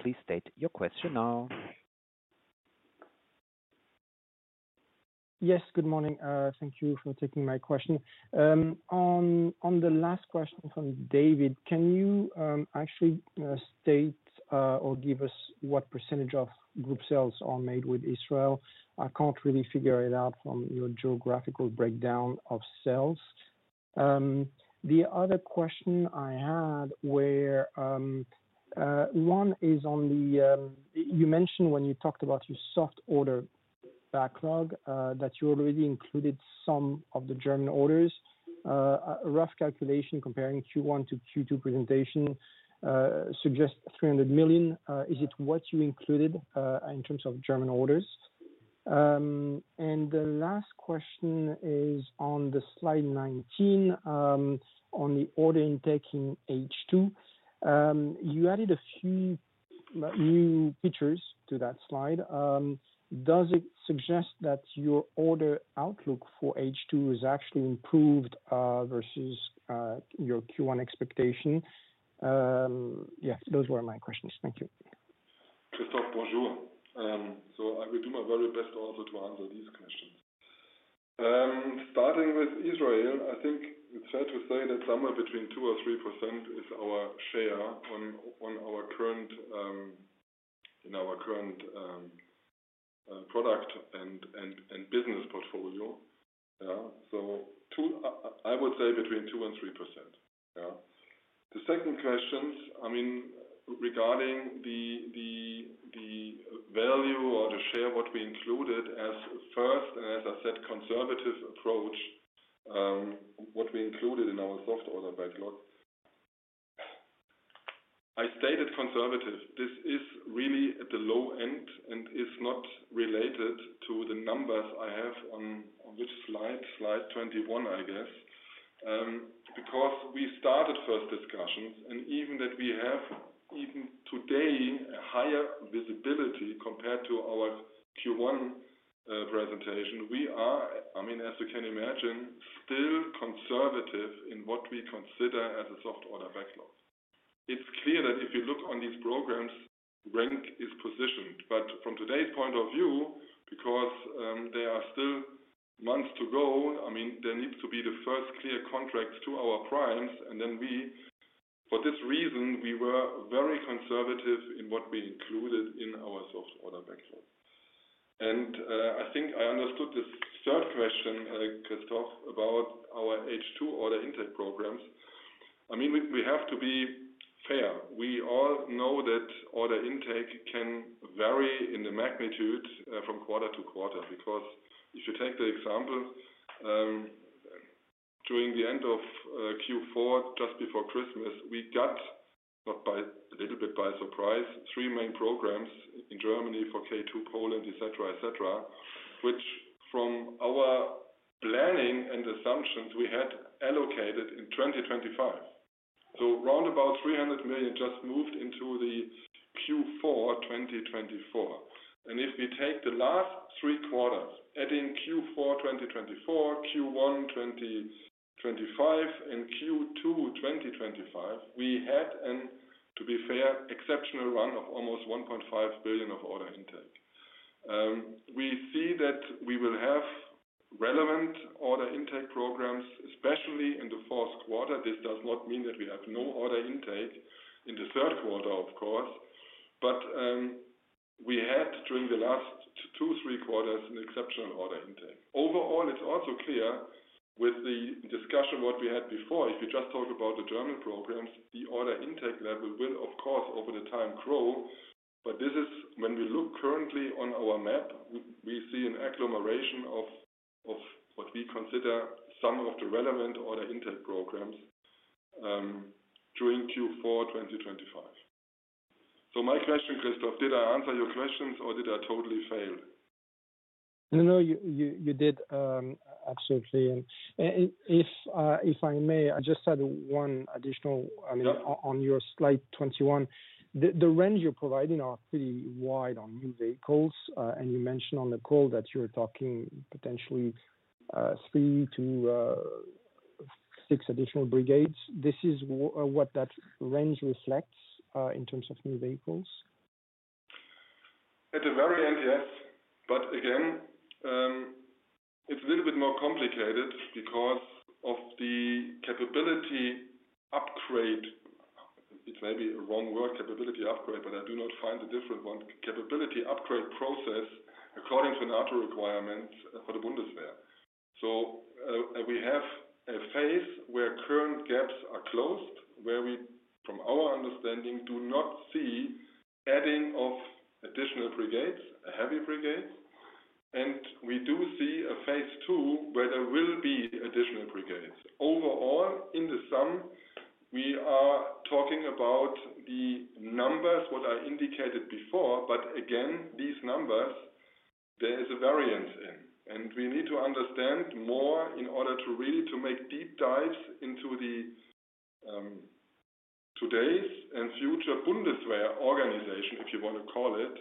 Please state your question now. Yes, good morning. Thank you for taking my question. On the last question from David, can you actually state or give us what % of group sales are made with Israel? I can't really figure it out from your geographical breakdown of sales. The other question I had is on the, you mentioned when you talked about your soft order backlog that you already included some of the German orders. A rough calculation comparing Q1 to Q2 presentation suggests $300 million. Is it what you included in terms of German orders? The last question is on slide 19 on the order intake in H2. You added a few new pictures to that slide. Does it suggest that your order outlook for H2 is actually improved versus your Q1 expectation? Yeah, those were my questions. Thank you. Christophe, bonjour. I will do my very best also to answer these questions. Starting with Israel, I think it's fair to say that somewhere between 2% or 3% is our share in our current product and business portfolio. I would say between 2% and 3%. The second question, regarding the value or the share of what we included as a first and as I said, conservative approach, what we included in our soft order backlog, I stated conservative. This is really at the low end and is not related to the numbers I have on which slide, slide 21, I guess. We started first discussions and even that we have even today a higher visibility compared to our Q1 presentation, we are, as you can imagine, still conservative in what we consider as a soft order backlog. It's clear that if you look on these programs, RENK is positioned. From today's point of view, because there are still months to go, there needs to be the first clear contracts to our primes. For this reason, we were very conservative in what we included in our soft order backlog. I think I understood this third question, Christoph, about our H2 order intake programs. We have to be fair. We all know that order intake can vary in the magnitude from quarter to quarter because if you take the example, during the end of Q4, just before Christmas, we got, not by a little bit by surprise, three main programs in Germany for K2, Poland, etc., which from our planning and assumptions we had allocated in 2025. Around $300 million just moved into Q4 2024. If we take the last three quarters, adding Q4 2024, Q1 2025, and Q2 2025, we had an, to be fair, exceptional run of almost $1.5 billion of order intake. We see that we will have relevant order intake programs, especially in the first quarter. This does not mean that we have no order intake in the third quarter, of course. We had during the last two to three quarters an exceptional order intake. Overall, it's also clear with the discussion of what we had before, if you just talk about the German programs, the order intake level will, of course, over the time grow. This is when we look currently on our map, we see an agglomeration of what we consider some of the relevant order intake programs during Q4 2025. My question, Christoph, did I answer your questions or did I totally fail? No, you did. Absolutely. If I may, I just had one additional, I mean, on your slide 21, the range you're providing is pretty wide on new vehicles. You mentioned on the call that you're talking potentially three to six additional brigades. This is what that range reflects in terms of new vehicles? At the very end, yes. Again, it's a little bit more complicated because of the capability upgrade. It's maybe a wrong word, capability upgrade, but I do not find a different one. Capability upgrade process according to NATO requirements for the Bundeswehr. We have a phase where current gaps are closed, where we, from our understanding, do not see adding of additional brigades, heavy brigades. We do see a phase two where there will be additional brigades. Overall, in the sum, we are talking about the numbers what I indicated before. These numbers, there is a variance in. We need to understand more in order to really make deep dives into today's and future Bundeswehr organization, if you want to call it,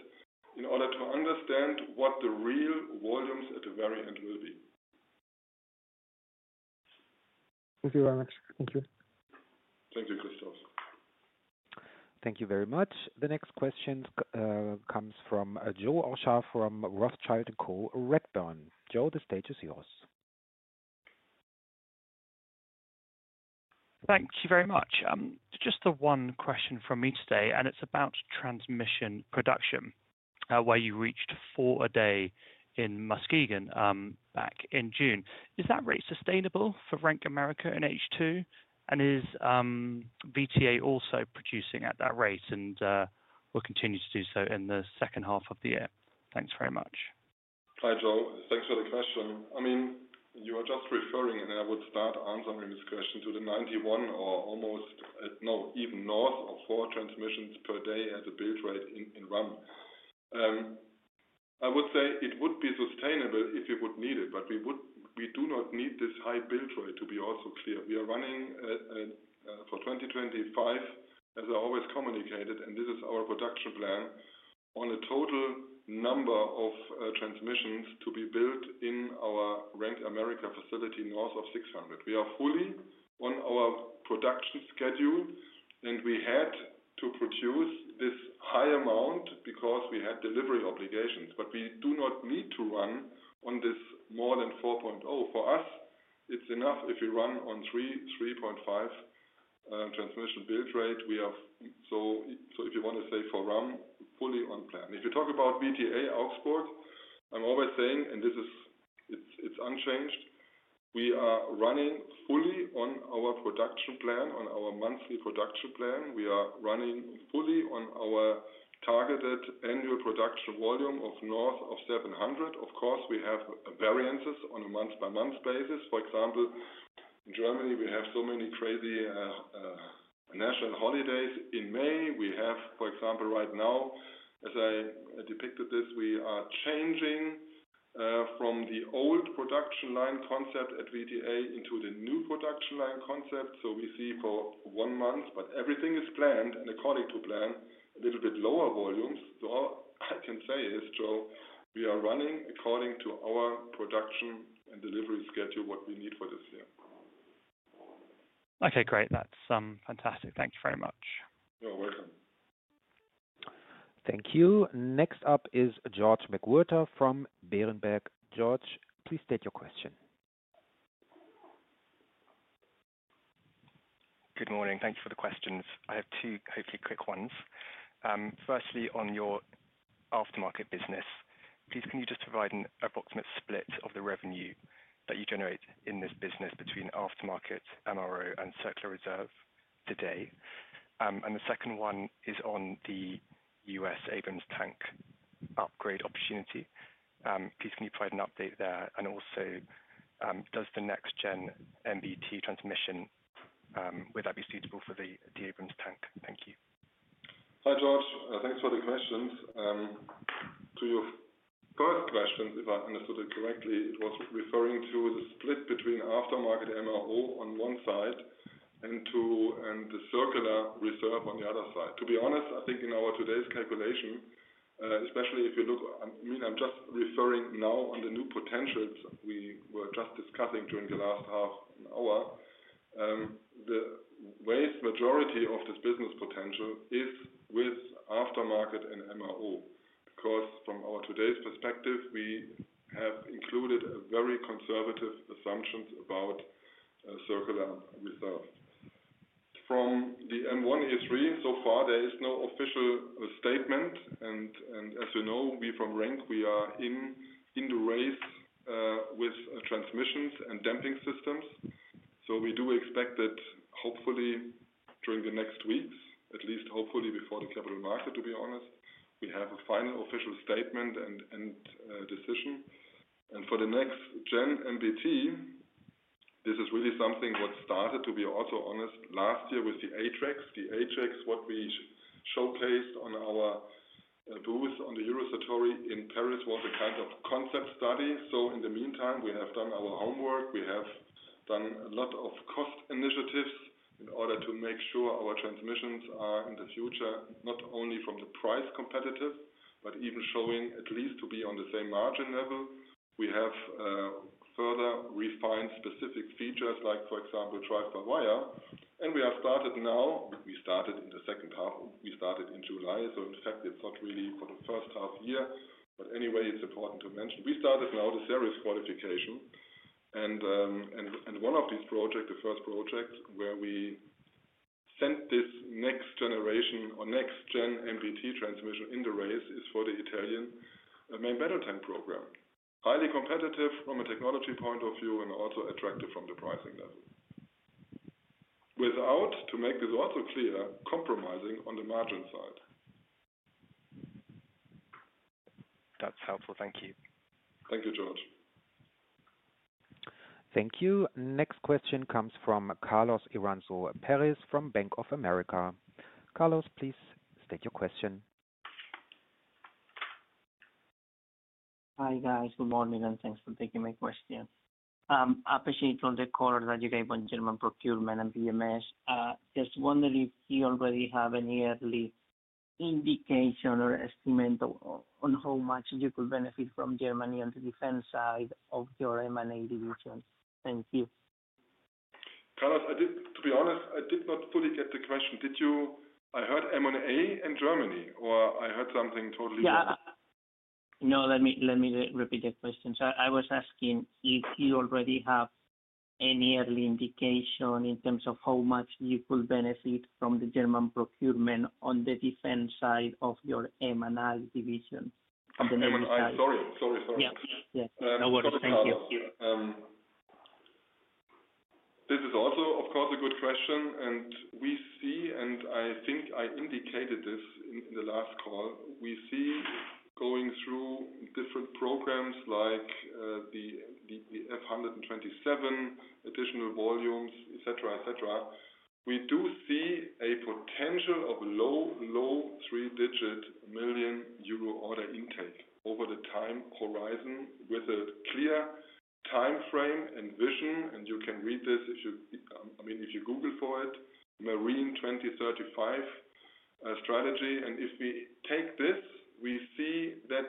in order to understand what the real volumes at the very end will be. Thank you very much. Thank you. Thank you, Christian. Thank you very much. The next question comes from Joe Orchard from Rothschild & Co. Joe, the stage is yours. Thank you very much. Just the one question from me today, and it's about transmission production, where you reached four a day in Muskegon back in June. Is that rate sustainable for RENK America in H2? Is VTA also producing at that rate and will continue to do so in the second half of the year? Thanks very much. Hi, Joe. Thanks for the question. I mean, you were just referring, and I would start answering this question to the 91 or almost, no, even north of four transmissions per day as a build rate in run. I would say it would be sustainable if it would need it, but we do not need this high build rate to be also clear. We are running for 2025, as I always communicated, and this is our production plan, on a total number of transmissions to be built in our RENK America facility north of 600. We are fully on our production schedule, and we had to produce this high amount because we had delivery obligations. We do not need to run on this more than 4.0. For us, it's enough if we run on 3.5 transmission build rate. We are, so if you want to say for run, fully on plan. If you talk about VTA Augsburg, I'm always saying, and this is unchanged, we are running fully on our production plan, on our monthly production plan. We are running fully on our targeted annual production volume of north of 700. Of course, we have variances on a month-by-month basis. For example, in Germany, we have so many crazy national holidays in May. For example, right now, as I depicted this, we are changing from the old production line concept at VTA into the new production line concept. We see for one month, but everything is planned and according to plan, a little bit lower volumes. All I can say is, Joe, we are running according to our production and delivery schedule what we need for this year. Okay, great. That's fantastic. Thank you very much. You're welcome. Thank you. Next up is George McWhorter from Berenberg. George, please state your question. Good morning. Thank you for the questions. I have two, hopefully, quick ones. Firstly, on your aftermarket business, please, can you just provide an approximate split of the revenue that you generate in this business between aftermarket MRO and circular reserve today? The second one is on the U.S. Abrams tank upgrade opportunity. Please, can you provide an update there? Also, does the next-gen MBT transmission, would that be suitable for the Abrams tank? Thank you. Hi, George. Thanks for the questions. To your first question, if I understood it correctly, it was referring to the split between aftermarket MRO on one side and the circular reserve on the other side. To be honest, I think in our today's calculation, especially if you look, I mean, I'm just referring now on the new potentials we were just discussing during the last half an hour. The vast majority of this business potential is with aftermarket and MRO because from our today's perspective, we have included very conservative assumptions about circular reserve. From the M1A3, so far, there is no official statement. As you know, we from RENK, we are in the race with transmissions and damping systems. We do expect that hopefully during the next weeks, at least hopefully before the Capital Market Day, to be honest, we have a final official statement and decision. For the next-gen MBT, this is really something that started, to be also honest, last year with the ATREX. The ATREX, what we showcased on our booth at the Eurosatory in Paris, was a kind of concept study. In the meantime, we have done our homework. We have done a lot of cost initiatives in order to make sure our transmissions are in the future, not only price competitive, but even showing at least to be on the same margin level. We have further refined specific features like, for example, drive-by-wire. We have started now, but we started in the second half, or we started in July. In fact, it's not really for the first half year, but anyway, it's partnered. With RENK Group. We started now the series qualification. One of these projects, the first project where we sent this next generation or next-gen MBT transmission in the race, is for the Italian main battle tank program. Highly competitive from a technology point of view and also attractive from the pricing level, without, to make this also clear, compromising on the margin side. That's helpful. Thank you. Thank you, George. Thank you. Next question comes from Carlos Iranzo Perez from Bank of America. Carlos, please state your question. Hi, guys. Good morning and thanks for taking my question. I appreciate all the calls that you gave on German procurement and PMS. Just wondering if you already have any early indication or estimate on how much you could benefit from Germany on the defense side of your M&I division. Thank you. Carlos, to be honest, I did not fully get the question. Did you? I heard M&A and Germany, or I heard something totally different. Yeah. Let me repeat the question. I was asking if you already have any early indication in terms of how much you could benefit from the German procurement on the defense side of your M&I division. I'm sorry. Yeah, no worries. Thank you. This is also, of course, a good question. We see, and I think I indicated this in the last call, we see going through different programs like the F127, additional volumes, etc., etc. We do see a potential of a low, low three-digit million euro order intake over the time horizon with a clear timeframe and vision. You can read this if you, I mean, if you Google for it, Marine 2035 strategy. If we take this, we see that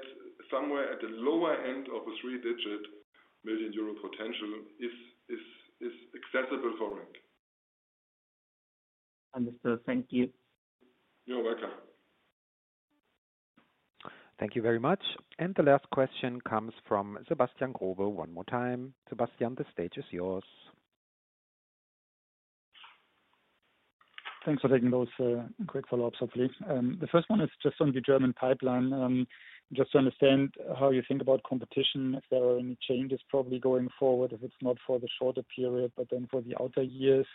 somewhere at the lower end of a three-digit million euro potential is accessible for RENK. Understood. Thank you. You're welcome. Thank you very much. The last question comes from Sebastian Growe one more time. Sebastian, the stage is yours. Thanks for taking those quick follow-ups, hopefully. The first one is just on the German pipeline. Just to understand how you think about competition, if there are any changes probably going forward, if it's not for the shorter period, but then for the outer years,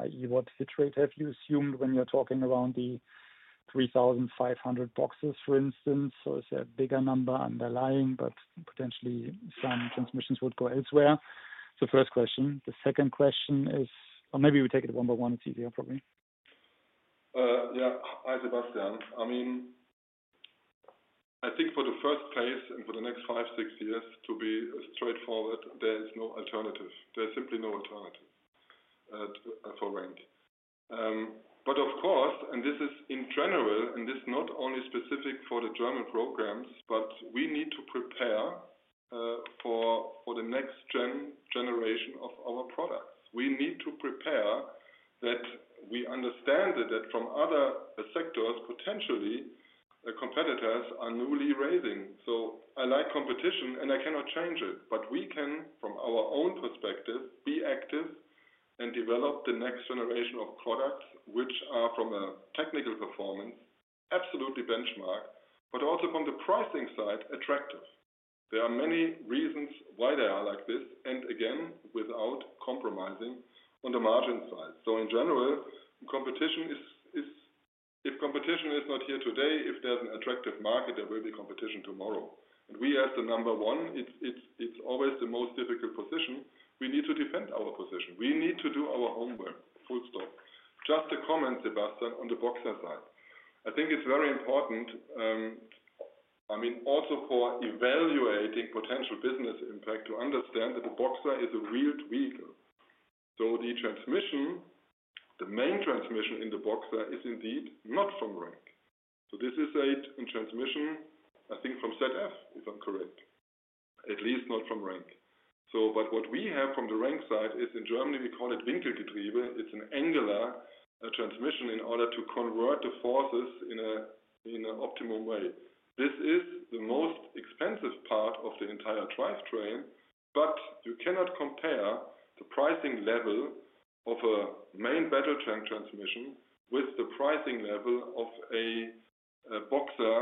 i.e., what fit rate have you assumed when you're talking around the 3,500 boxes, for instance? Is there a bigger number underlying, but potentially some transmissions would go elsewhere? First question. The second question is, or maybe we take it one by one. It's easier, probably. Yeah. Hi, Sebastian. I mean, I think for the first phase and for the next five, six years, to be straightforward, there is no alternative. There's simply no alternative for RENK. Of course, and this is in general, and this is not only specific for the German programs, we need to prepare for the next generation of our product. We need to prepare that we understand that from other sectors, potentially, the competitors are newly rising. I like competition, and I cannot change it. We can, from our own perspective, be active and develop the next generation of products which are, from a technical performance, absolutely benchmark, but also from the pricing side attractive. There are many reasons why they are like this, and again, without compromising on the margin side. In general, if competition is not here today, if there's an attractive market, there will be competition tomorrow. We have the number one. It's always the most difficult position. We need to defend our position. We need to do our homework, full stop. Just a comment, Sebastian, on the Boxer side. I think it's very important, also for evaluating potential business impact, to understand that the Boxer is a wheeled vehicle. The transmission, the main transmission in the Boxer, is indeed not from RENK. This is a transmission, I think, from ZF, if I'm correct. At least not from RENK. What we have from the RENK side is, in Germany, we call it Winkelgetriebe. It's an angular transmission in order to convert the forces in an optimum way. This is the most expensive part of the entire drivetrain, but you cannot compare the pricing level of a main battle tank transmission with the pricing level of a Boxer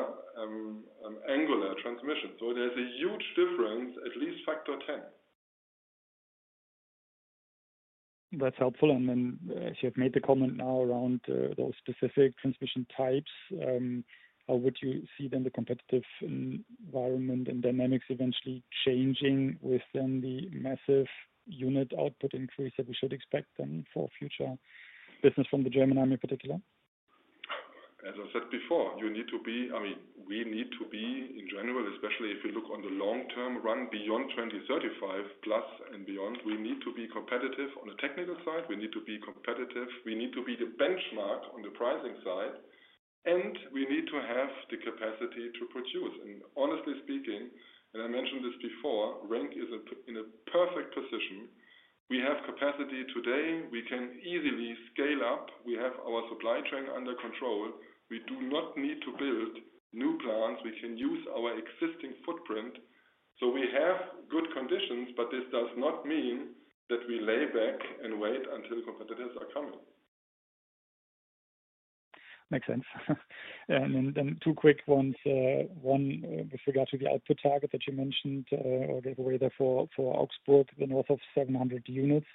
angular transmission. There's a huge difference, at least factor 10. That's helpful. She had made the comment now around those specific transmission types. How would you see the competitive environment and dynamics eventually changing with the massive unit output increase that we should expect for future business from the German army in particular? As I said before, we need to be, in general, especially if you look on the long-term run beyond 2035 and beyond, we need to be competitive on the technical side. We need to be competitive. We need to be the benchmark on the pricing side. We need to have the capacity to produce. Honestly speaking, and I mentioned this before, RENK is in a perfect position. We have capacity today. We can easily scale up. We have our supply chain under control. We do not need to build new plants. We can use our existing footprint. We have good conditions, but this does not mean that we lay back and wait until competitors are coming. Makes sense. Two quick ones. One with regard to the output target that you mentioned, or the way there for Augsburg, the north of 700 units.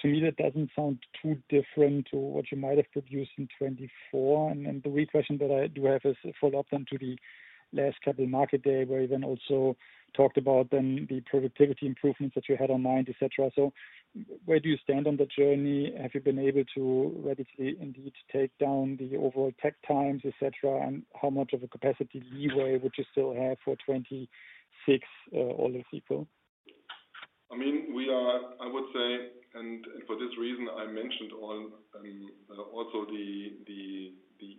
To me, that doesn't sound too different to what you might have produced in 2024. The real question that I do have is follow-up to the last Capital Market Day where you also talked about the productivity improvements that you had online, etc. Where do you stand on the journey? Have you been able to readily indeed take down the overall tech times, etc., and how much of a capacity leeway would you still have for 2026 all as equal? I mean, we are, I would say, and for this reason, I mentioned all and also the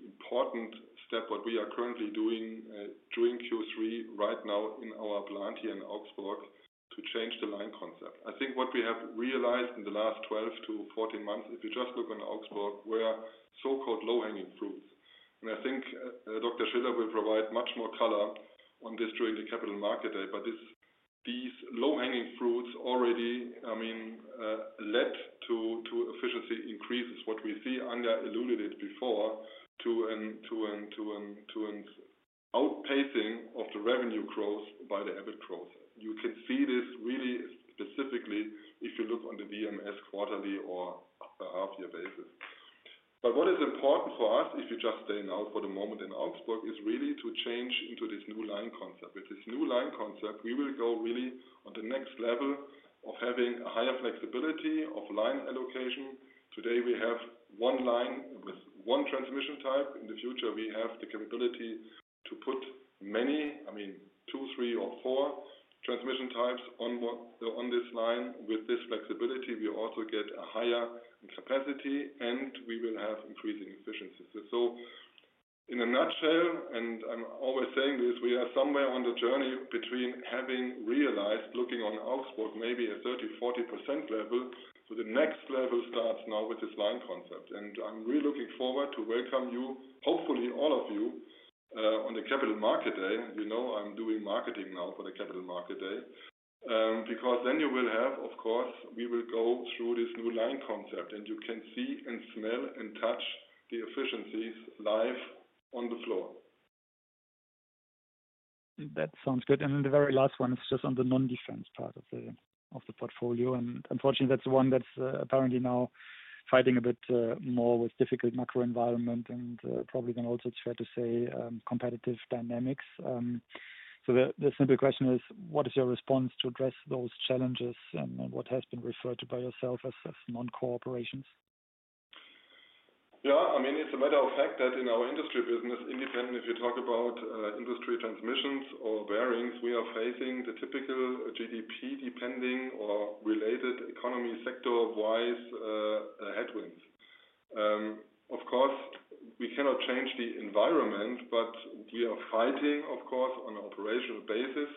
important step, what we are currently doing during Q3 right now in our plant here in Augsburg to change the line concept. I think what we have realized in the last 12-14 months, if you just look on Augsburg, we are so-called low-hanging fruits. I think Dr. Schiller will provide much more color on this during the Capital Market Day. These low-hanging fruits already, I mean, led to efficiency increases. What we see, Anja eluded it before, to an outpacing of the revenue growth by the EBIT growth. You can see this really specifically if you look on the DMS quarterly or half-year basis. What is important for us, if you just stay now for the moment in Augsburg, is really to change into this new line concept. With this new line concept, we will go really on the next level of having a higher flexibility of line allocation. Today, we have one line with one transmission type. In the future, we have the capability to put many, I mean, two, three or four transmission types on this line. With this flexibility, we also get a higher capacity and we will have increasing efficiency. In a nutshell, and I'm always saying this, we are somewhere on the journey between having realized, looking on Augsburg, maybe a 30%, 40% level. The next level starts now with this line concept. I'm really looking forward to welcome you, hopefully, all of you, on the Capital Market Day. You know I'm doing marketing now for the Capital Market Day, because then you will have, of course, we will go through this new line concept. You can see and smell and touch the efficiencies live on the floor. That sounds good. The very last one is just on the non-defense part of the portfolio. Unfortunately, that's one that's apparently now fighting a bit more with difficult macro environment and probably then also it's fair to say competitive dynamics. The simple question is, what is your response to address those challenges and what has been referred to by yourself as non-core operations? Yeah. I mean, it's a matter of fact that in our industry business, independent if you talk about industry transmissions or bearings, we are facing the typical GDP-dependent or related economy sector-wise headwinds. Of course, we cannot change the environment, but we are fighting, of course, on an operational basis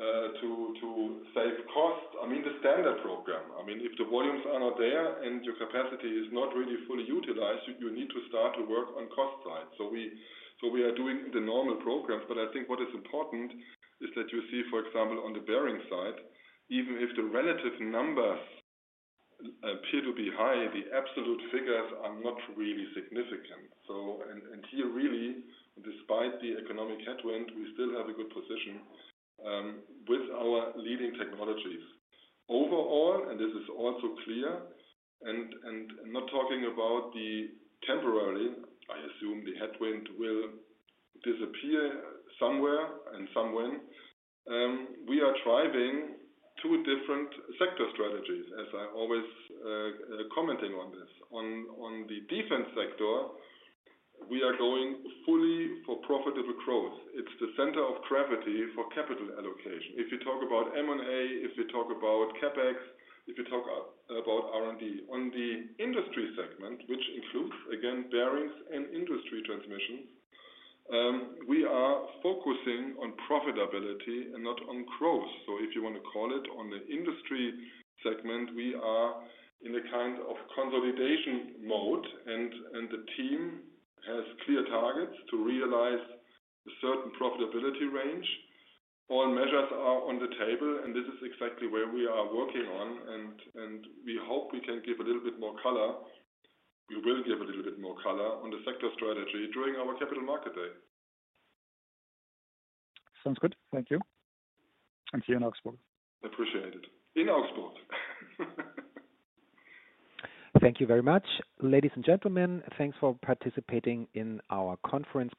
to save costs. I mean, the standard program. If the volumes are not there and your capacity is not really fully utilized, you need to start to work on cost side. We are doing the normal programs. I think what is important is that you see, for example, on the bearing side, even if the relative numbers appear to be high, the absolute figures are not really significant. Here really, despite the economic headwind, we still have a good position with our leading technologies. Overall, and this is also clear, and not talking about the temporary, I assume the headwind will disappear somewhere and somewhen, we are driving two different sector strategies, as I always comment on this. On the defense sector, we are going fully for profitable growth. It's the center of gravity for capital allocation. If you talk about M&A, if you talk about CapEx, if you talk about R&D, on the industry segment, which includes, again, bearings and industry transmissions, we are focusing on profitability and not on growth. If you want to call it on the industry segment, we are in a kind of consolidation mode. The team has clear targets to realize a certain profitability range. All measures are on the table, and this is exactly where we are working on. We hope we can give a little bit more color. We will give a little bit more color on the sector strategy during our Capital Market Day. Sounds good. Thank you. Here in Augsburg. Appreciate it. In Augsburg. Thank you very much. Ladies and gentlemen, thanks for participating in our conference.